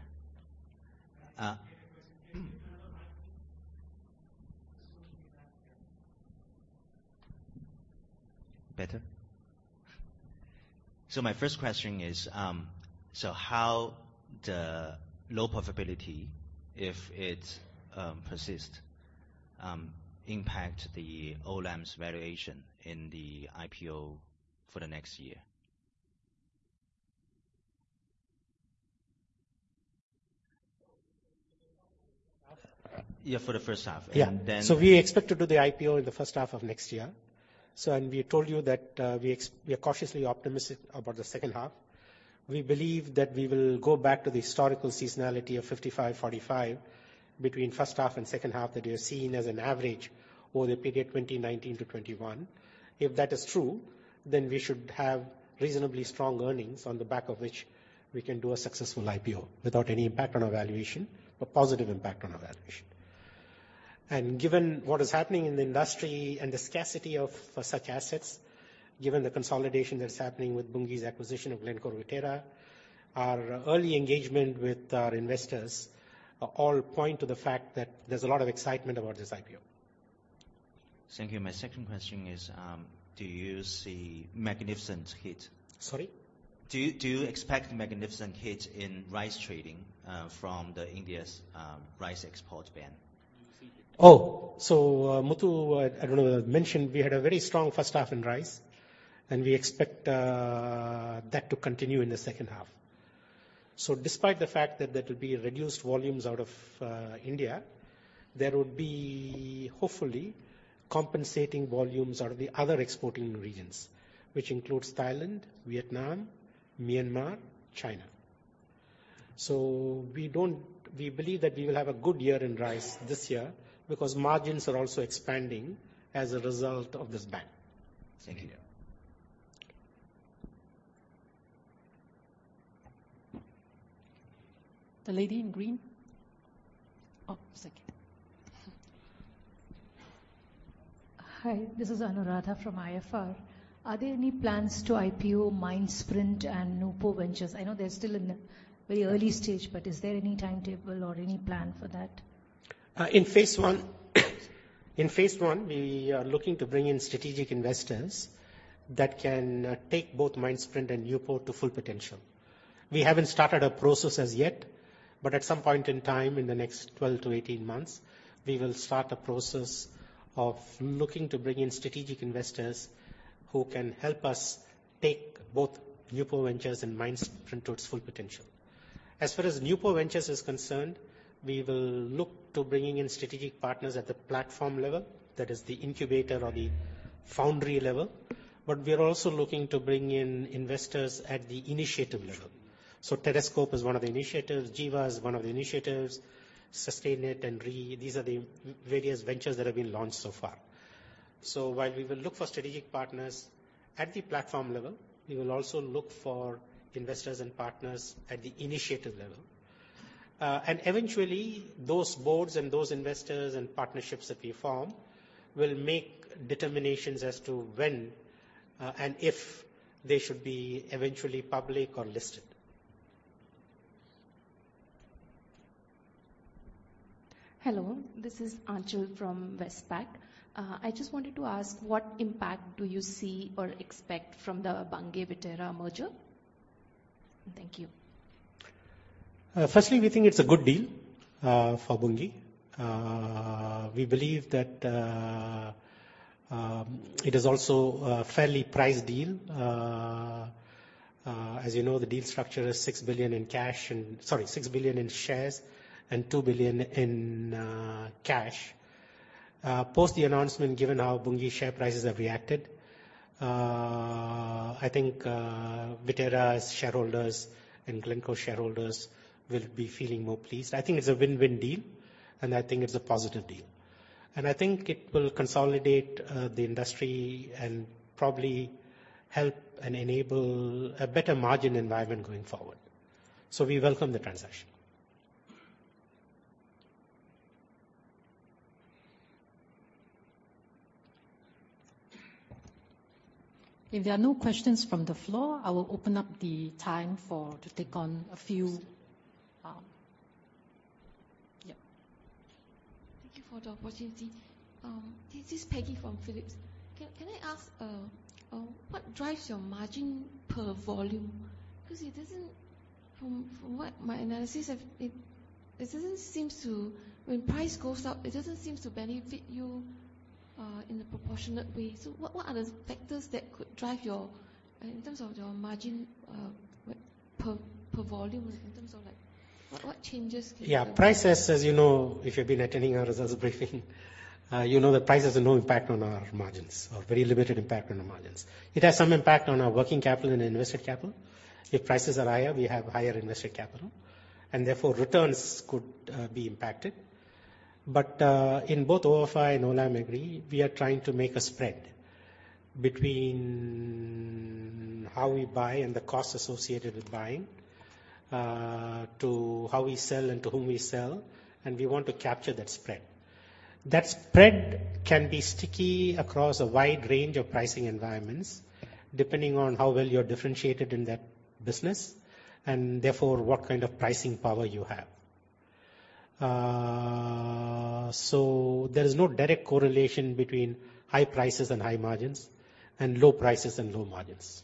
Better? My first question is, so how the low profitability, if it persists, impact the Olam's valuation in the IPO for the next year? Yeah, for the first half. Yeah. And then- We expect to do the IPO in the first half of next year. We told you that we are cautiously optimistic about the second half. We believe that we will go back to the historical seasonality of 55%, 45% between first half and second half that you are seeing as an average over the period 2019-2021. If that is true, then we should have reasonably strong earnings on the back of which we can do a successful IPO without any impact on our valuation, a positive impact on our valuation. Given what is happening in the industry and the scarcity of such assets, given the consolidation that is happening with Bunge's acquisition of Glencore Viterra, our early engagement with our investors all point to the fact that there's a lot of excitement about this IPO. Thank you. My second question is, do you see magnificent hit? Sorry? Do you, do you expect magnificent hit in rice trading, from the India's rice export ban? Muthu, I don't know, mentioned we had a very strong first half in rice, and we expect that to continue in the second half. Despite the fact that there will be reduced volumes out of India, there would be, hopefully, compensating volumes out of the other exporting regions, which includes Thailand, Vietnam, Myanmar, China. We don't... We believe that we will have a good year in rice this year because margins are also expanding as a result of this ban. Thank you. The lady in green. Oh, second. Hi, this is Anuradha from IFR. Are there any plans to IPO Mindsprint and Nupo Ventures? I know they're still in a very early stage. Is there any timetable or any plan for that? In phase one, in phase one, we are looking to bring in strategic investors that can take both Mindsprint and Nupo to full potential. We haven't started a process as yet, but at some point in time, in the next 12-18 months, we will start a process of looking to bring in strategic investors who can help us take both Nupo Ventures and Mindsprint to its full potential. As far as Nupo Ventures is concerned, we will look to bringing in strategic partners at the platform level, that is the incubator or the foundry level, but we are also looking to bring in investors at the initiative level. Terrascope is one of the initiatives, Jiva is one of the initiatives, SustainEd and RE, these are the various ventures that have been launched so far. While we will look for strategic partners at the platform level, we will also look for investors and partners at the initiative level. Eventually, those boards and those investors and partnerships that we form will make determinations as to when and if they should be eventually public or listed. Hello, this is Aanchal from Westpac. I just wanted to ask, what impact do you see or expect from the Bunge-Viterra merger? Thank you. Firstly, we think it's a good deal for Bunge. We believe that it is also a fairly priced deal. As you know, the deal structure is $6 billion in cash and... Sorry, $6 billion in shares and $2 billion in cash. Post the announcement, given how Bunge share prices have reacted, I think Viterra's shareholders and Glencore shareholders will be feeling more pleased. I think it's a win-win deal, and I think it's a positive deal. I think it will consolidate the industry and probably help and enable a better margin environment going forward. We welcome the transaction. If there are no questions from the floor, I will open up the time to take on a few. Thank you for the opportunity. This is Peggy from Phillip Securities. Can I ask what drives your margin per volume? Because from what my analysis of it, it doesn't seems to... When price goes up, it doesn't seems to benefit you in a proportionate way. What are the factors that could drive your in terms of your margin per volume, in terms of like what changes can- Yeah, price as, as you know, if you've been attending our results briefing, you know that price has no impact on our margins or very limited impact on our margins. It has some impact on our working capital and invested capital. If prices are higher, we have higher invested capital, and therefore, returns could be impacted. In both ofi and Olam Agri, we are trying to make a spread between how we buy and the costs associated with buying, to how we sell and to whom we sell, and we want to capture that spread. That spread can be sticky across a wide range of pricing environments, depending on how well you are differentiated in that business, and therefore, what kind of pricing power you have. There is no direct correlation between high prices and high margins, and low prices and low margins,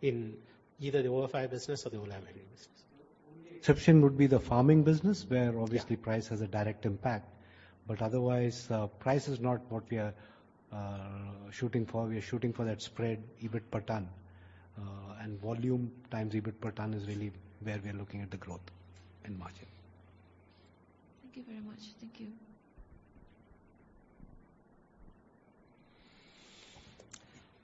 in either the ofi business or the Olam Agri business. Exception would be the farming business, where- Yeah... obviously, price has a direct impact. But otherwise, price is not what we are shooting for. We are shooting for that spread, EBIT per ton. And volume times EBIT per ton is really where we are looking at the growth in margin. Thank you very much. Thank you.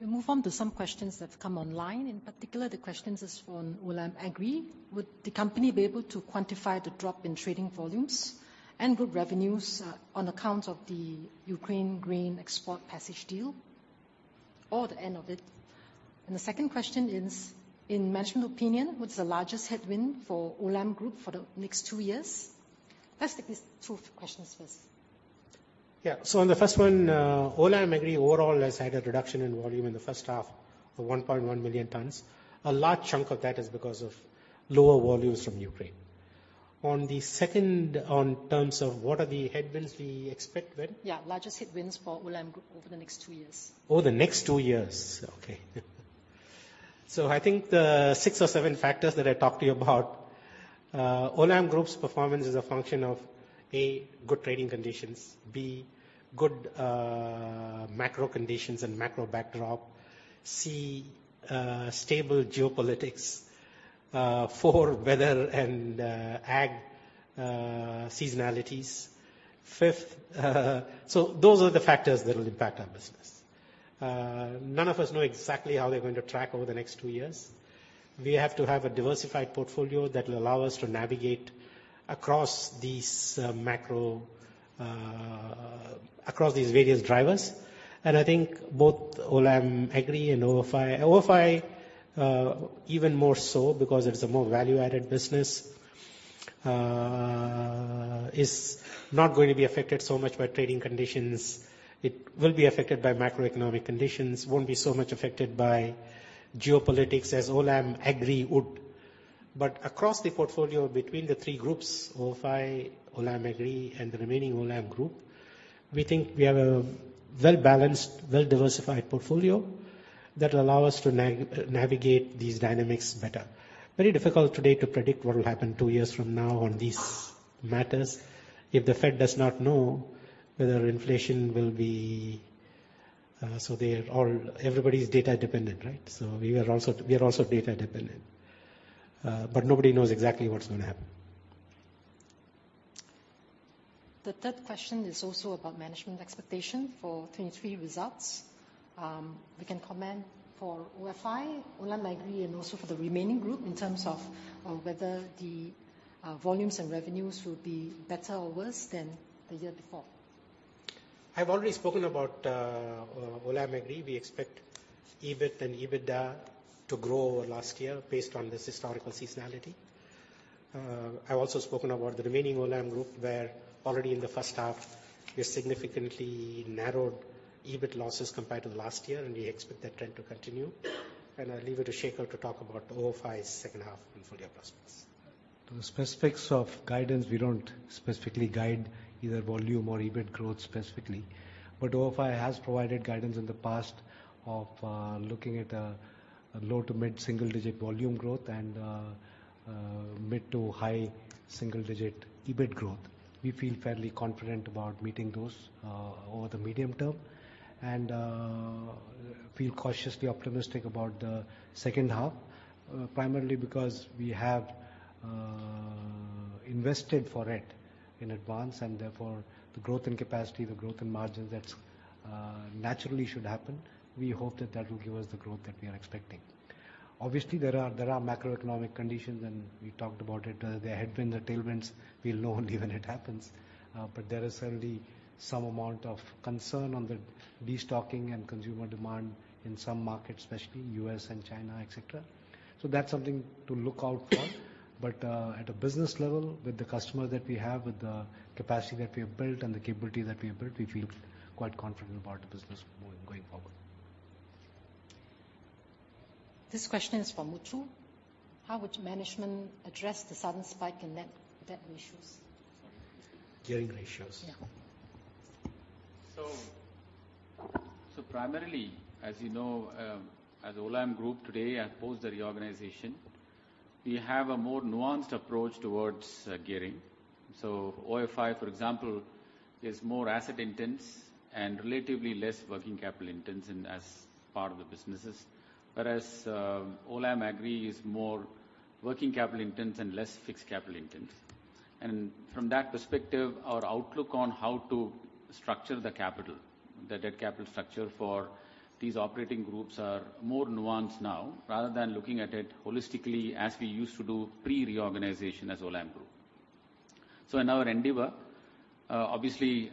We move on to some questions that's come online. In particular, the questions is from Olam Agri. Would the company be able to quantify the drop in trading volumes and group revenues, on account of the Ukraine grain export passage deal or the end of it? The second question is, in management opinion, what's the largest headwind for Olam Group for the next two years? Let's take these two questions first. Yeah. On the first one, Olam Agri overall has had a reduction in volume in the first half of 1.1 million tons. A large chunk of that is because of lower volumes from Ukraine. On the second, on terms of what are the headwinds we expect when? Yeah, largest headwinds for Olam Group over the next two years. Over the next two years. Okay. I think the six or seven factors that I talked to you about, Olam Group's performance is a function of, A, good trading conditions, B, good, macro conditions and macro backdrop, C, stable geopolitics, four, weather and, ag, seasonalities. Fifth... Those are the factors that will impact our business. None of us know exactly how they're going to track over the next two years. We have to have a diversified portfolio that will allow us to navigate across these, macro, across these various drivers. I think both Olam Agri and ofi... ofi, even more so because it's a more value-added business, is not going to be affected so much by trading conditions. It will be affected by macroeconomic conditions, won't be so much affected by geopolitics as Olam Agri would. Across the portfolio between the three groups, ofi, Olam Agri, and the remaining Olam Group, we think we have a well-balanced, well-diversified portfolio that will allow us to navigate these dynamics better. Very difficult today to predict what will happen two years from now on these matters, if the Fed does not know whether inflation will be. Everybody is data dependent, right? We are also, we are also data dependent. Nobody knows exactly what's going to happen. The third question is also about management expectation for 2023 results. We can comment for ofi, Olam Agri, and also for the remaining group, in terms of whether the volumes and revenues will be better or worse than the year before. I've already spoken about Olam Agri. We expect EBIT and EBITDA to grow over last year based on this historical seasonality. I've also spoken about the remaining Olam Group, where already in the first half, we significantly narrowed EBIT losses compared to last year, and we expect that trend to continue. I'll leave it to Shekhar to talk about ofi's second half and full year prospects. To the specifics of guidance, we don't specifically guide either volume or EBIT growth specifically, but ofi has provided guidance in the past of looking at a low to mid-single-digit volume growth and a mid to high single-digit EBIT growth. We feel fairly confident about meeting those over the medium term, and feel cautiously optimistic about H2. Primarily because we have invested for it in advance, and therefore, the growth in capacity, the growth in margins, that's naturally should happen. We hope that that will give us the growth that we are expecting. Obviously, there are, there are macroeconomic conditions, and we talked about it. There had been the tailwinds. We'll know only when it happens, but there is certainly some amount of concern on the destocking and consumer demand in some markets, especially U.S. and China, et cetera. That's something to look out for. At a business level, with the customer that we have, with the capacity that we have built and the capability that we have built, we feel quite confident about the business moving, going forward. This question is from Muthu. How would management address the sudden spike in net debt ratios? Gearing ratios. Yeah. So primarily, as you know, as Olam Group today and post the reorganization, we have a more nuanced approach towards gearing. ofi, for example, is more asset-intense and relatively less working capital-intense in as part of the businesses. Whereas, Olam Agri is more working capital-intense and less fixed capital-intense. From that perspective, our outlook on how to structure the capital, the debt capital structure for these operating groups, are more nuanced now, rather than looking at it holistically as we used to do pre-reorganization as Olam Group. In our endeavor, obviously,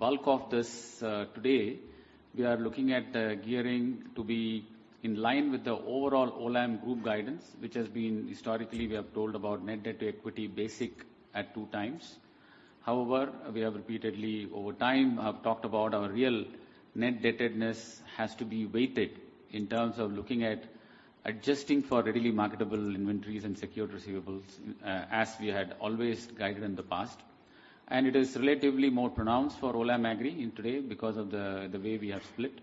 bulk of this, today, we are looking at the gearing to be in line with the overall Olam Group guidance, which has been historically, we have told about net debt to equity basic at 2 times. However, we have repeatedly over time, have talked about our real net debtedness has to be weighted in terms of looking at adjusting for readily marketable inventories and secured receivables, as we had always guided in the past. It is relatively more pronounced for Olam Agri in today because of the way we have split.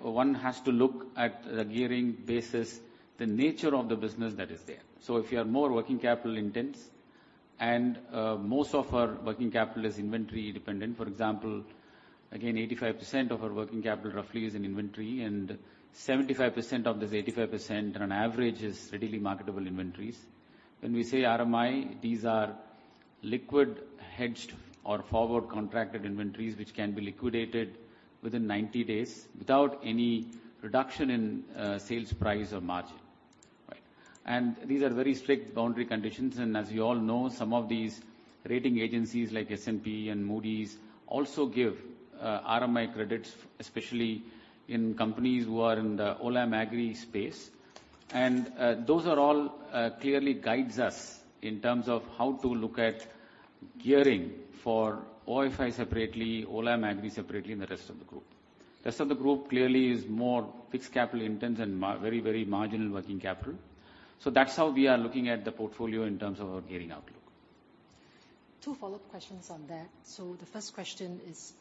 One has to look at the gearing basis, the nature of the business that is there. If you are more working capital intense, and most of our working capital is inventory dependent, for example, again, 85% of our working capital roughly is in inventory, and 75% of this 85% on average, is readily marketable inventories. When we say RMI, these are liquid hedged or forward contracted inventories, which can be liquidated within 90 days without any reduction in sales price or margin. Right. These are very strict boundary conditions, and as you all know, some of these rating agencies, like S&P and Moody's, also give RMI credits, especially in companies who are in the Olam Agri space. Those are all clearly guides us in terms of how to look at gearing for ofi separately, Olam Agri separately, and the rest of the group. The rest of the group clearly is more fixed capital intense and very, very marginal working capital. That's how we are looking at the portfolio in terms of our gearing outlook. Two follow-up questions on that. The first question is: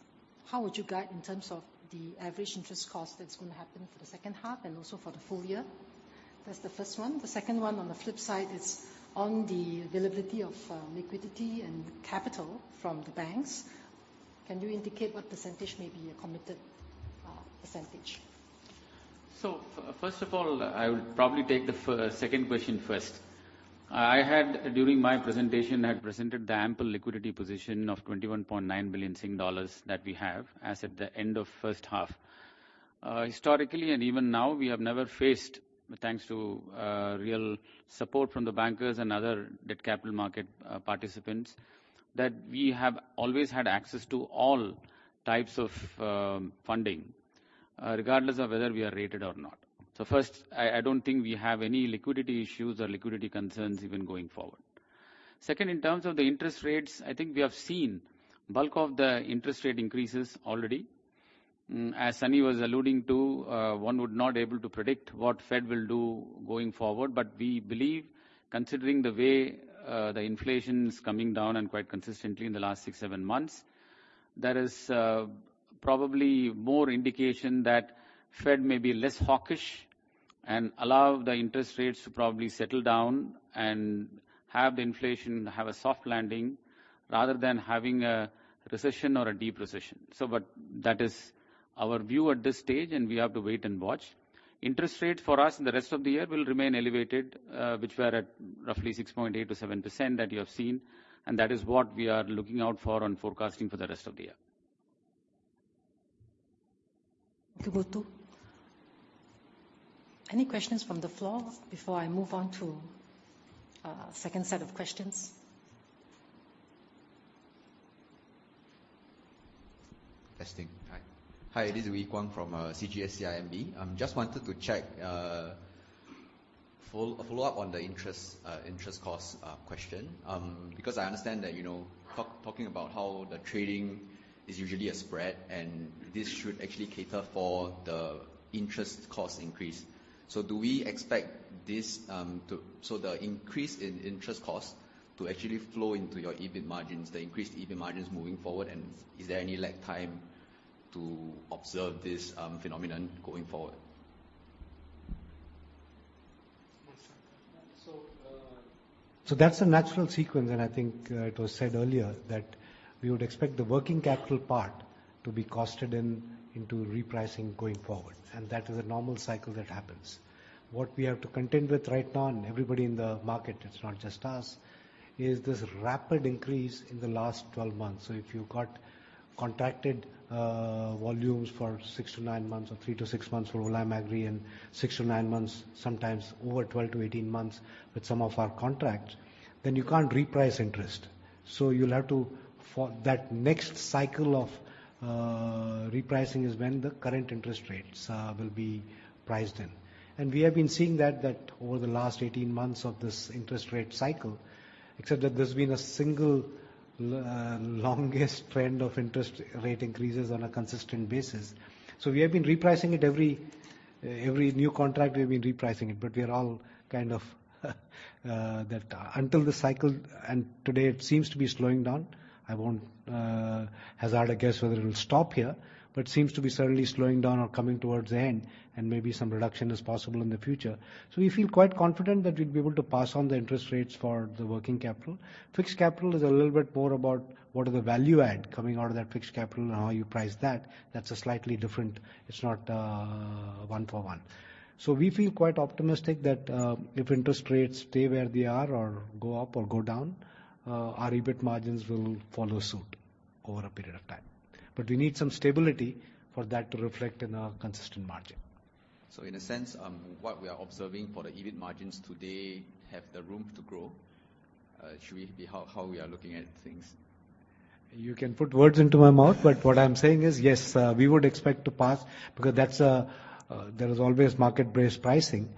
how would you guide in terms of the average interest cost that's going to happen for the second half and also for the full year? That's the first one. The second one, on the flip side, is on the availability of liquidity and capital from the banks. Can you indicate what percentage may be a committed percentage? First of all, I would probably take the second question first. I had, during my presentation, I had presented the ample liquidity position of 21.9 billion Sing dollars that we have, as at the end of first half. Historically, and even now, we have never faced, thanks to real support from the bankers and other debt capital market participants, that we have always had access to all types of funding, regardless of whether we are rated or not. First, I don't think we have any liquidity issues or liquidity concerns even going forward. Second, in terms of the interest rates, I think we have seen bulk of the interest rate increases already. As Sunny was alluding to, one would not able to predict what Fed will do going forward, but we believe, considering the way the inflation is coming down and quite consistently in the last six, seven months, there is probably more indication that Fed may be less hawkish and allow the interest rates to probably settle down and have the inflation have a soft landing, rather than having a recession or a deep recession. But that is our view at this stage, and we have to wait and watch. Interest rates for us in the rest of the year will remain elevated, which were at roughly 6.8%-7% that you have seen, and that is what we are looking out for and forecasting for the rest of the year. Thank you, Muthu. Any questions from the floor before I move on to, second set of questions? Testing. Hi. Hi, this is Yuen Fan from CGS-CIMB. I'm just wanted to check a follow-up on the interest, interest cost question. Because I understand that, you know, talking about how the trading is usually a spread, and this should actually cater for the interest cost increase. Do we expect the increase in interest costs to actually flow into your EBIT margins, the increased EBIT margins moving forward, and is there any lag time to observe this phenomenon going forward? That's a natural sequence, and I think it was said earlier that we would expect the working capital to be costed in, into repricing going forward, and that is a normal cycle that happens. What we have to contend with right now, and everybody in the market, it's not just us, is this rapid increase in the last 12 months. If you got contracted volumes for six to nine months or three to six months for Olam Agri, and six to nine months, sometimes over 12-18 months with some of our contracts, then you can't reprice interest. You'll have to for that next cycle of repricing is when the current interest rates will be priced in. We have been seeing that, that over the last 18 months of this interest rate cycle, except that there's been a single, longest trend of interest rate increases on a consistent basis. We have been repricing it every, every new contract, we've been repricing it, but we are all kind of, that until the cycle. Today it seems to be slowing down. I won't hazard a guess whether it will stop here, but seems to be certainly slowing down or coming towards the end, and maybe some reduction is possible in the future. We feel quite confident that we'll be able to pass on the interest rates for the working capital. Fixed capital is a little bit more about what are the value add coming out of that fixed capital and how you price that. That's a slightly different. It's not one for one. We feel quite optimistic that, if interest rates stay where they are or go up or go down, our EBIT margins will follow suit over a period of time. We need some stability for that to reflect in our consistent margin. In a sense, what we are observing for the EBIT margins today have the room to grow, should we be how, how we are looking at things? You can put words into my mouth, but what I'm saying is, yes, we would expect to pass, because that's a. There is always market-based pricing.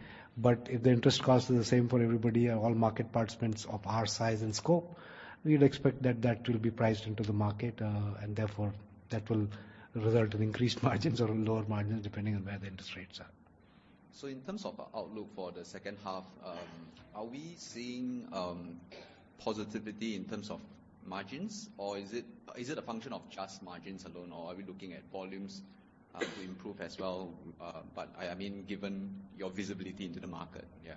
If the interest cost is the same for everybody and all market participants of our size and scope, we'd expect that that will be priced into the market, and therefore that will result in increased margins or lower margins, depending on where the interest rates are. In terms of outlook for the second half, are we seeing positivity in terms of margins, or is it, is it a function of just margins alone, or are we looking at volumes to improve as well? I mean, given your visibility into the market, yeah?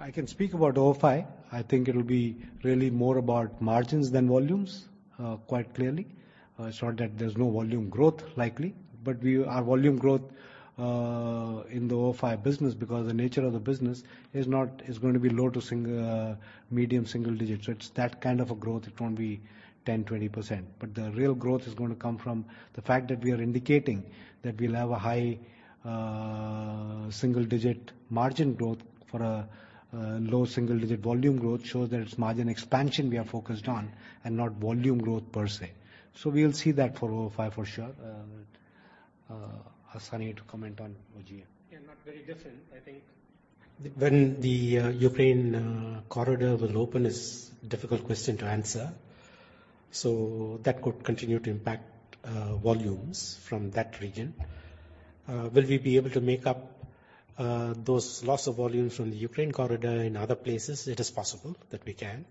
I can speak about ofi. I think it'll be really more about margins than volumes, quite clearly. It's not that there's no volume growth likely, but we- our volume growth, in the ofi business, because the nature of the business is not, is going to be low to single, medium single digits. It's that kind of a growth. It won't be 10%, 20%. The real growth is going to come from the fact that we are indicating that we'll have a high single-digit margin growth for a low single-digit volume growth, shows that it's margin expansion we are focused on, and not volume growth per se. We'll see that for ofi for sure. Ask Sunny to comment on OGM. Yeah, not very different. I think when the Ukraine corridor will open is difficult question to answer. That could continue to impact volumes from that region. Will we be able to make up those loss of volumes from the Ukraine corridor in other places? It is possible that we can,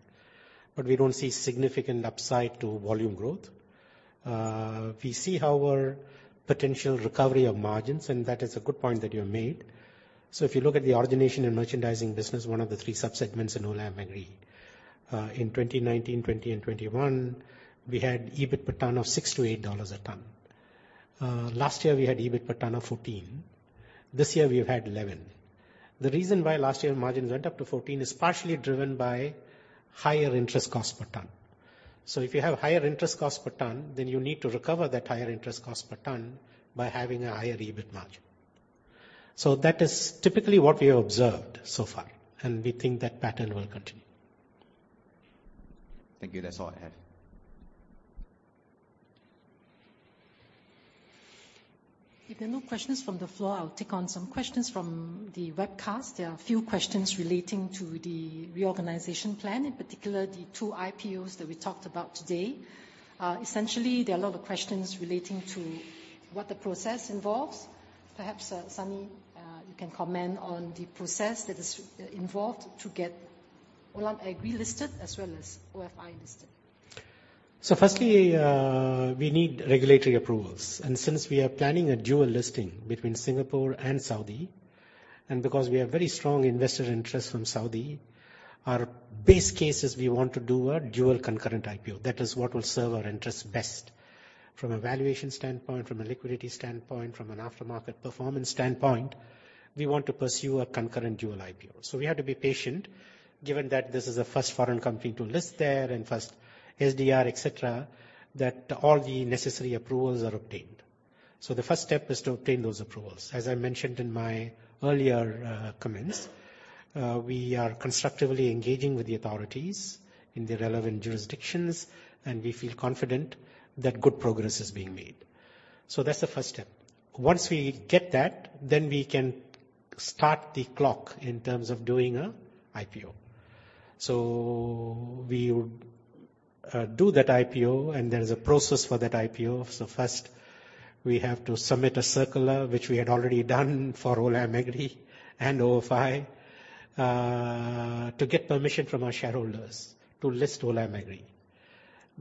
but we don't see significant upside to volume growth. We see, however, potential recovery of margins, and that is a good point that you have made. If you look at the origination and merchandising business, one of the 3 sub-segments in Olam Agri, in 2019, 2020 and 2021, we had EBIT per ton of $6-$8 a ton. Last year, we had EBIT per ton of $14. This year, we've had $11. The reason why last year's margins went up to 14% is partially driven by higher interest costs per ton. If you have higher interest costs per ton, then you need to recover that higher interest cost per ton by having a higher EBIT margin. That is typically what we have observed so far, and we think that pattern will continue. Thank you. That's all I have. If there are no questions from the floor, I'll take on some questions from the webcast. There are a few questions relating to the reorganization plan, in particular, the two IPOs that we talked about today. Essentially, there are a lot of questions relating to what the process involves. Perhaps, Sunny, you can comment on the process that is involved to get Olam Agri listed, as well as ofi listed. Firstly, we need regulatory approvals, and since we are planning a dual listing between Singapore and Saudi, and because we have very strong investor interest from Saudi, our base case is we want to do a dual concurrent IPO. That is what will serve our interests best. From a valuation standpoint, from a liquidity standpoint, from an aftermarket performance standpoint, we want to pursue a concurrent dual IPO. We have to be patient, given that this is the first foreign company to list there and first SDR, et cetera, that all the necessary approvals are obtained. The first step is to obtain those approvals. As I mentioned in my earlier comments, we are constructively engaging with the authorities in the relevant jurisdictions, and we feel confident that good progress is being made. That's the first step. Once we get that, then we can start the clock in terms of doing a IPO. We would do that IPO, and there is a process for that IPO. First, we have to submit a circular, which we had already done for Olam Agri and ofi, to get permission from our shareholders to list Olam Agri.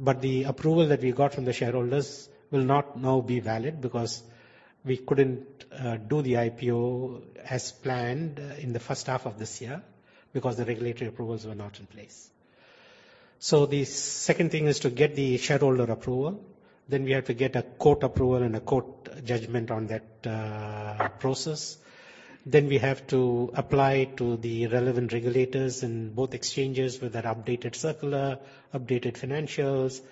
The approval that we got from the shareholders will not now be valid because we couldn't do the IPO as planned in the first half of this year, because the regulatory approvals were not in place. The second thing is to get the shareholder approval. We have to get a court approval and a court judgment on that process. We have to apply to the relevant regulators in both exchanges with that updated circular, updated financials.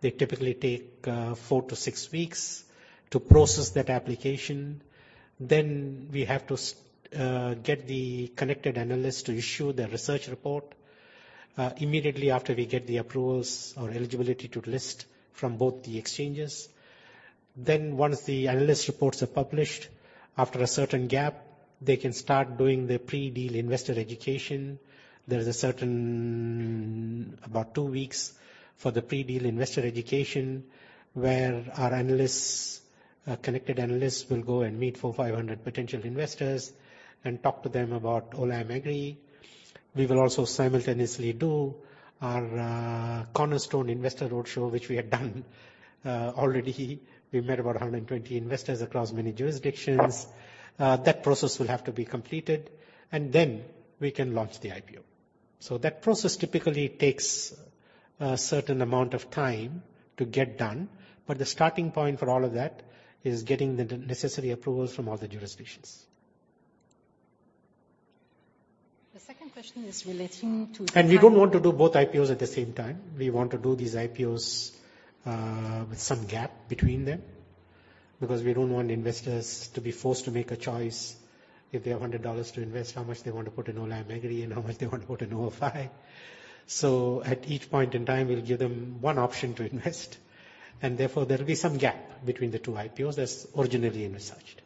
They typically take four to six weeks to process that application. We have to get the connected analyst to issue the research report immediately after we get the approvals or eligibility to list from both the exchanges. Once the analyst reports are published, after a certain gap, they can start doing the pre-deal investor education. There is a certain, about two weeks for the pre-deal investor education, where our analysts, connected analysts will go and meet 400-500 potential investors and talk to them about Olam Agri. We will also simultaneously do our cornerstone investor roadshow, which we have done already. That process will have to be completed, and then we can launch the IPO. That process typically takes a certain amount of time to get done, but the starting point for all of that is getting the necessary approvals from all the jurisdictions. The second question is relating to the- We don't want to do both IPOs at the same time. We want to do these IPOs with some gap between them, because we don't want investors to be forced to make a choice if they have 100 dollars to invest, how much they want to put in Olam Agri and how much they want to put in OFI. At each point in time, we'll give them one option to invest, and therefore, there will be some gap between the two IPOs as originally researched.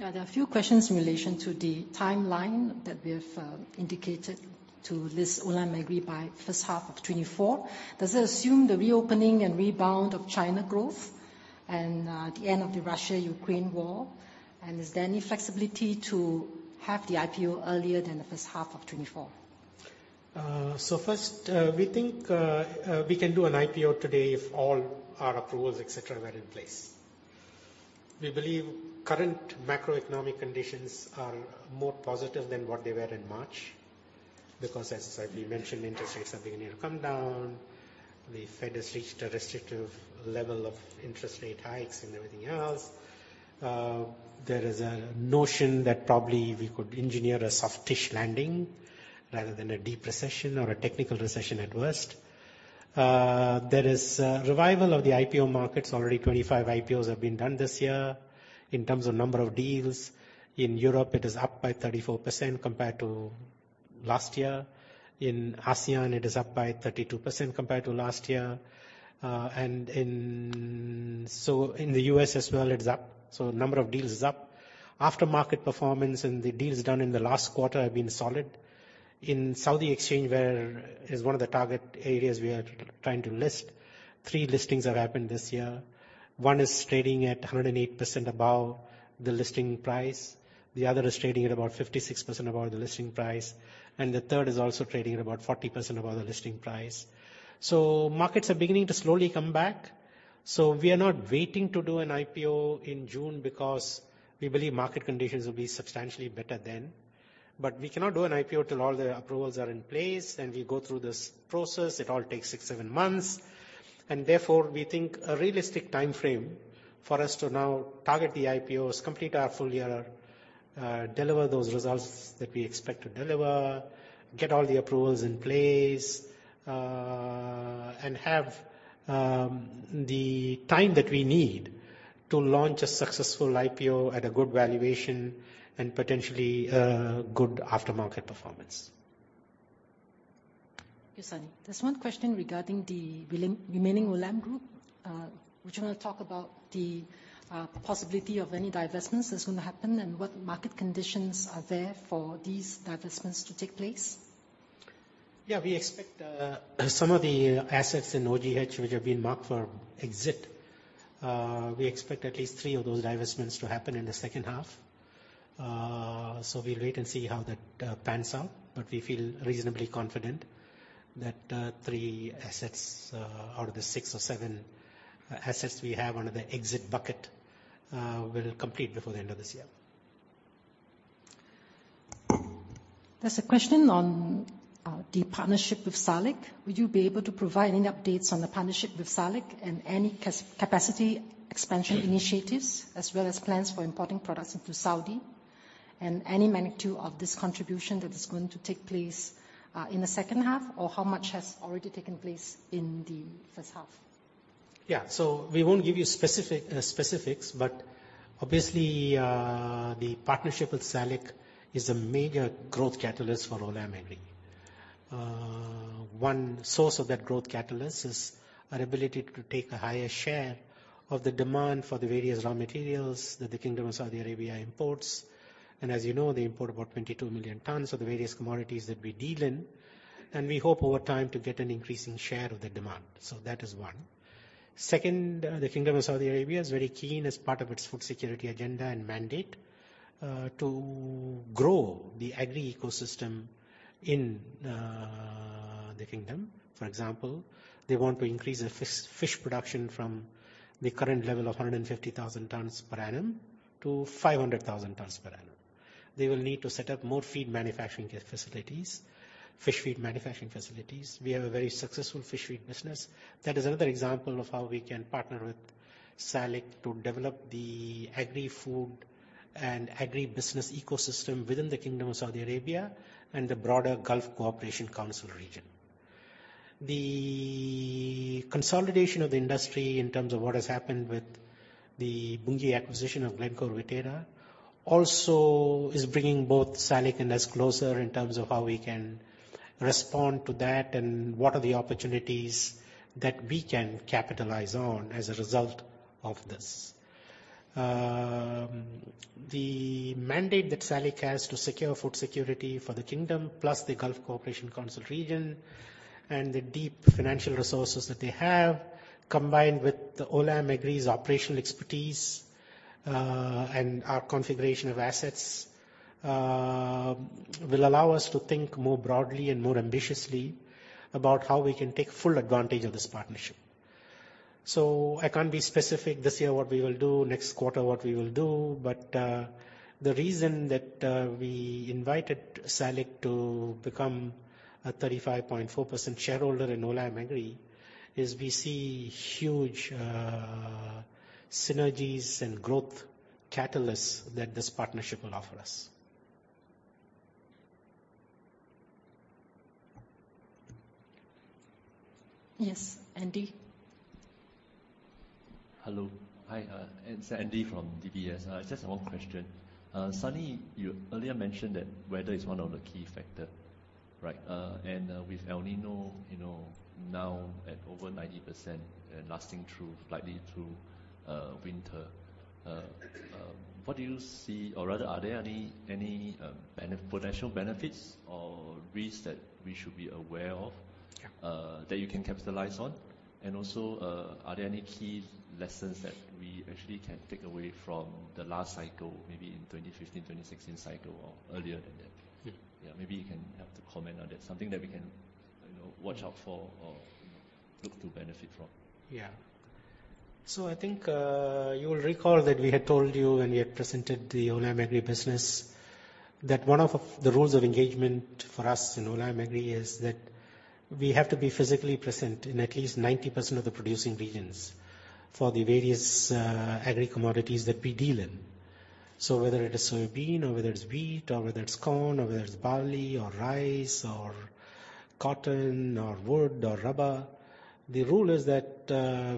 There are a few questions in relation to the timeline that we have indicated to list Olam Agri by first half of 2024. Does it assume the reopening and rebound of China growth and the end of the Russia-Ukraine war? Is there any flexibility to have the IPO earlier than the first half of 2024? First, we think we can do an IPO today if all our approvals, et cetera, were in place. We believe current macroeconomic conditions are more positive than what they were in March, because as I've mentioned, interest rates are beginning to come down. The Fed has reached a restrictive level of interest rate hikes and everything else. There is a notion that probably we could engineer a softish landing rather than a deep recession or a technical recession at worst. There is a revival of the IPO markets. Already 25 IPOs have been done this year. In terms of number of deals, in Europe, it is up by 34% compared to last year. In ASEAN, it is up by 32% compared to last year. In the U.S. as well, it's up. Number of deals is up. After market performance and the deals done in the last quarter have been solid. In Saudi Exchange, where is one of the target areas we are trying to list, 3 listings have happened this year. One is trading at 108% above the listing price, the other is trading at about 56% above the listing price, and the third is also trading at about 40% above the listing price. Markets are beginning to slowly come back. We are not waiting to do an IPO in June because we believe market conditions will be substantially better then. We cannot do an IPO till all the approvals are in place, and we go through this process. It all takes six, seven months. Therefore, we think a realistic timeframe for us to now target the IPOs, complete our full year, deliver those results that we expect to deliver, get all the approvals in place, and have the time that we need to launch a successful IPO at a good valuation and potentially, good after-market performance. Yes, Sunny. There's one question regarding the Remaining Olam Group. Would you want to talk about the possibility of any divestments that's going to happen and what market conditions are there for these divestments to take place? Yeah, we expect some of the assets in OGH, which have been marked for exit, we expect at least three of those divestments to happen in the second half. We'll wait and see how that pans out, but we feel reasonably confident that three assets out of the six or seven assets we have under the exit bucket will complete before the end of this year. There's a question on the partnership with SALIC. Would you be able to provide any updates on the partnership with SALIC and any capacity expansion initiatives, as well as plans for importing products into Saudi, and any magnitude of this contribution that is going to take place in H2, or how much has already taken place in H1? Yeah. We won't give you specific specifics, but obviously, the partnership with SALIC is a major growth catalyst for Olam Agri. One source of that growth catalyst is our ability to take a higher share of the demand for the various raw materials that the Kingdom of Saudi Arabia imports. As you know, they import about 22 million tons of the various commodities that we deal in, and we hope over time to get an increasing share of the demand. That is one. Second, the Kingdom of Saudi Arabia is very keen as part of its food security agenda and mandate, to grow the agri ecosystem in the kingdom. For example, they want to increase the fish production from the current level of 150,000 tons per annum to 500,000 tons per annum.... They will need to set up more feed manufacturing facilities, fish feed manufacturing facilities. We have a very successful fish feed business. That is another example of how we can partner with SALIC to develop the agri-food and agri-business ecosystem within the Kingdom of Saudi Arabia and the broader Gulf Cooperation Council region. The consolidation of the industry in terms of what has happened with the Bunge acquisition of Glencore Viterra, also is bringing both SALIC and us closer in terms of how we can respond to that, and what are the opportunities that we can capitalize on as a result of this. The mandate that SALIC has to secure food security for the Kingdom, plus the Gulf Cooperation Council region, and the deep financial resources that they have, combined with the Olam Agri's operational expertise, and our configuration of assets, will allow us to think more broadly and more ambitiously about how we can take full advantage of this partnership. I can't be specific this year, what we will do, next quarter, what we will do, but the reason that we invited SALIC to become a 35.4% shareholder in Olam Agri, is we see huge synergies and growth catalysts that this partnership will offer us. Yes, Andy? Hello. Hi, it's Andy from DBS. Just one question. Sunny, you earlier mentioned that weather is one of the key factor, right? With El Niño, you know, now at over 90% and lasting through-- likely through, winter, what do you see? Or rather, are there any, any, bene- potential benefits or risks that we should be aware of... Yeah. that you can capitalize on? Also, are there any key lessons that we actually can take away from the last cycle, maybe in 2015, 2016 cycle or earlier than that? Yeah. Yeah, maybe you can have to comment on that. Something that we can, you know, watch out for or look to benefit from. I think, you will recall that we had told you when we had presented the Olam Agri business, that one of the rules of engagement for us in Olam Agri is that we have to be physically present in at least 90% of the producing regions for the various agri commodities that we deal in. Whether it is soybean or whether it's wheat, or whether it's corn, or whether it's barley or rice, or cotton, or wood, or rubber, the rule is that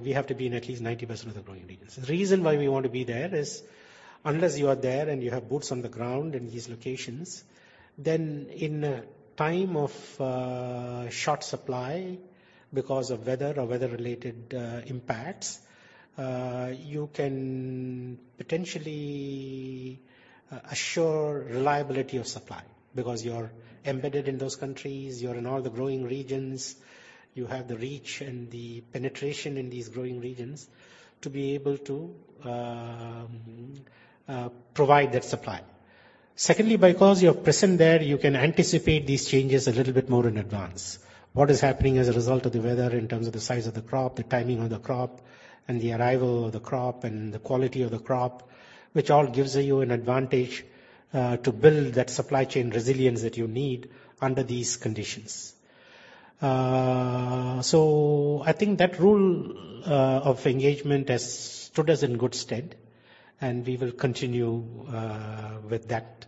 we have to be in at least 90% of the growing regions. The reason why we want to be there is, unless you are there and you have boots on the ground in these locations, then in a time of short supply because of weather or weather-related impacts, you can potentially assure reliability of supply. You're embedded in those countries, you're in all the growing regions, you have the reach and the penetration in these growing regions to be able to provide that supply. Secondly, because you're present there, you can anticipate these changes a little bit more in advance. What is happening as a result of the weather in terms of the size of the crop, the timing of the crop, and the arrival of the crop, and the quality of the crop, which all gives you an advantage to build that supply chain resilience that you need under these conditions. I think that rule of engagement has stood us in good stead, and we will continue with that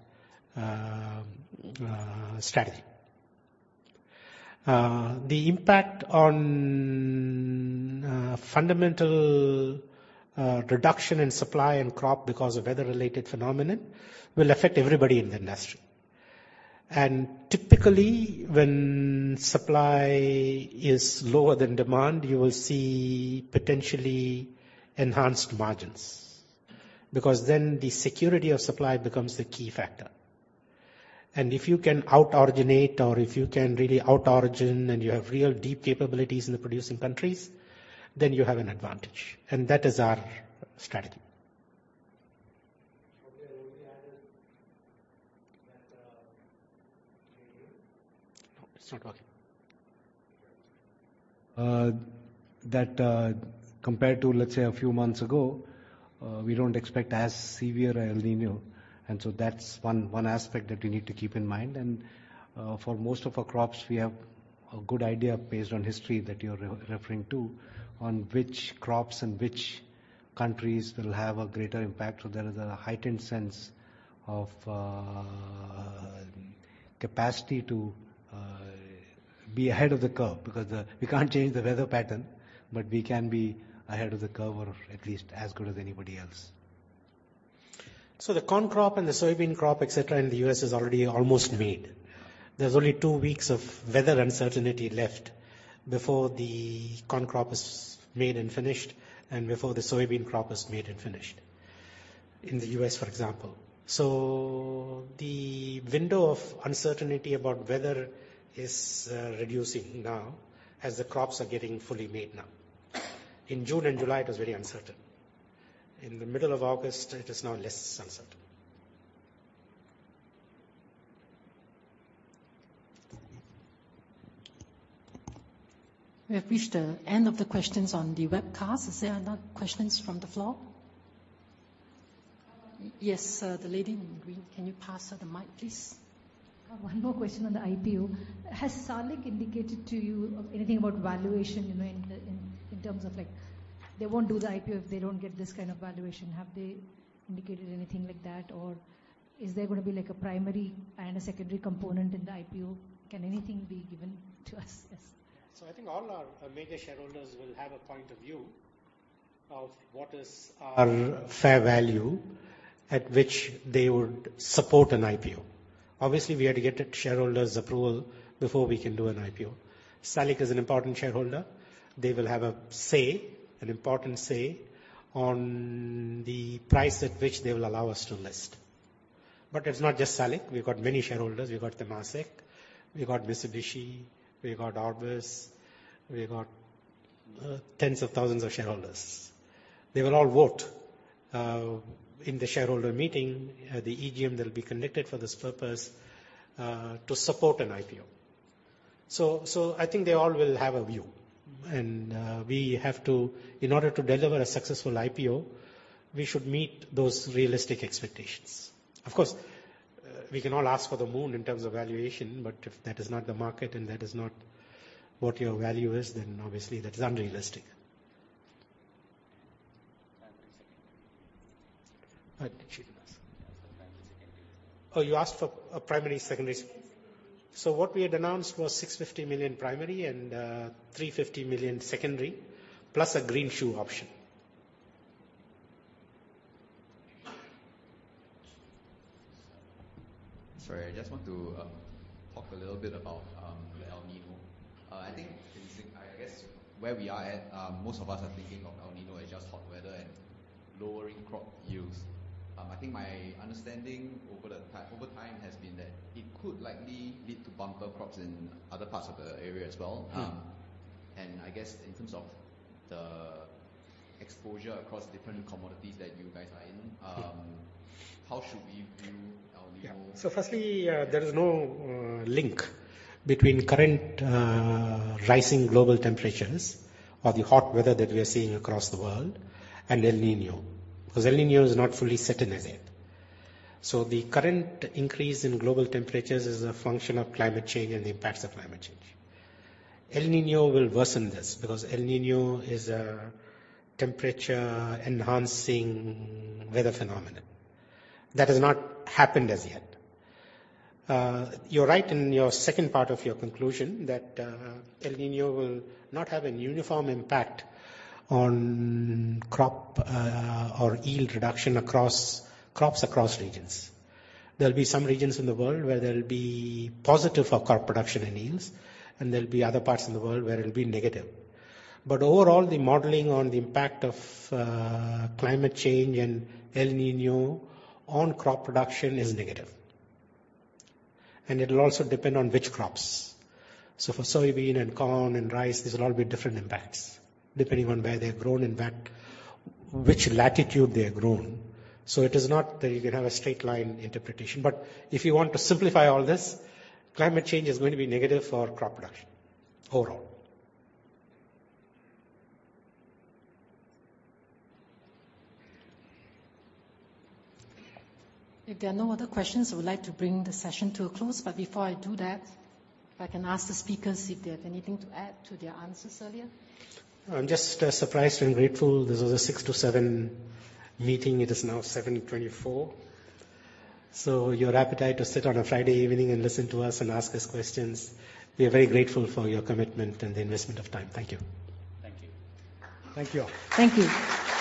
strategy. The impact on fundamental reduction in supply and crop because of weather-related phenomenon, will affect everybody in the industry. Typically, when supply is lower than demand, you will see potentially enhanced margins, because then the security of supply becomes the key factor. If you can out-originate or if you can really out-origin, and you have real deep capabilities in the producing countries, then you have an advantage, and that is our strategy. Okay, let me add that. Can you hear me? No, it's not working. That compared to, let's say, a few months ago, we don't expect as severe El Niño, and so that's one, one aspect that we need to keep in mind. For most of our crops, we have a good idea based on history that you're referring to, on which crops and which countries will have a greater impact. There is a heightened sense of capacity to be ahead of the curve, because we can't change the weather pattern, but we can be ahead of the curve or at least as good as anybody else. The corn crop and the soybean crop, et cetera, in the U.S. is already almost made. There's only two weeks of weather uncertainty left before the corn crop is made and finished, and before the soybean crop is made and finished in the U.S., for example. The window of uncertainty about weather is reducing now, as the crops are getting fully made now. In June and July, it was very uncertain. In the middle of August, it is now less uncertain.... We have reached the end of the questions on the webcast. Is there are no questions from the floor? Yes, the lady in green, can you pass her the mic, please? One more question on the IPO. Has SALIC indicated to you of anything about valuation, you know, in terms of, like, they won't do the IPO if they don't get this kind of valuation? Have they indicated anything like that, or is there gonna be, like, a primary and a secondary component in the IPO? Can anything be given to us? I think all our major shareholders will have a point of view of what is our fair value at which they would support an IPO. Obviously, we had to get a shareholders' approval before we can do an IPO. SALIC is an important shareholder. They will have a say, an important say, on the price at which they will allow us to list. It's not just SALIC, we've got many shareholders. We've got Temasek, we've got Mitsubishi, we've got Orbis, we've got tens of thousands of shareholders. They will all vote in the shareholder meeting, the EGM that will be conducted for this purpose to support an IPO. I think they all will have a view, and we have to... In order to deliver a successful IPO, we should meet those realistic expectations. Of course, we can all ask for the moon in terms of valuation, but if that is not the market and that is not what your value is, then obviously that is unrealistic. Excuse us. Oh, you asked for a primary, secondary? Mm-hmm. What we had announced was $650 million primary and $350 million secondary, plus a greenshoe option. Sorry, I just want to talk a little bit about the El Niño. I think, I guess, where we are at, most of us are thinking of El Niño as just hot weather and lowering crop yields. I think my understanding over time has been that it could likely lead to bumper crops in other parts of the area as well. Mm-hmm. I guess in terms of the exposure across different commodities that you guys are in- Yeah. How should we view El Niño? Yeah. Firstly, there is no link between current, rising global temperatures or the hot weather that we are seeing across the world and El Niño, because El Niño is not fully set in as yet. The current increase in global temperatures is a function of climate change and the impacts of climate change. El Niño will worsen this, because El Niño is a temperature-enhancing weather phenomenon that has not happened as yet. You're right in your second part of your conclusion that El Niño will not have a uniform impact on crop, or yield reduction across crops across regions. There'll be some regions in the world where there'll be positive for crop production and yields, and there'll be other parts of the world where it'll be negative. Overall, the modeling on the impact of climate change and El Niño on crop production is negative. It'll also depend on which crops. For soybean and corn and rice, these will all be different impacts depending on where they're grown, in fact, which latitude they are grown. It is not that you can have a straight line interpretation, but if you want to simplify all this, climate change is going to be negative for crop production overall. If there are no other questions, I would like to bring the session to a close. Before I do that, if I can ask the speakers if they have anything to add to their answers earlier? I'm just surprised and grateful. This was a six to seven meeting. It is now 7:24. Your appetite to sit on a Friday evening and listen to us and ask us questions, we are very grateful for your commitment and the investment of time. Thank you. Thank you. Thank you. Thank you.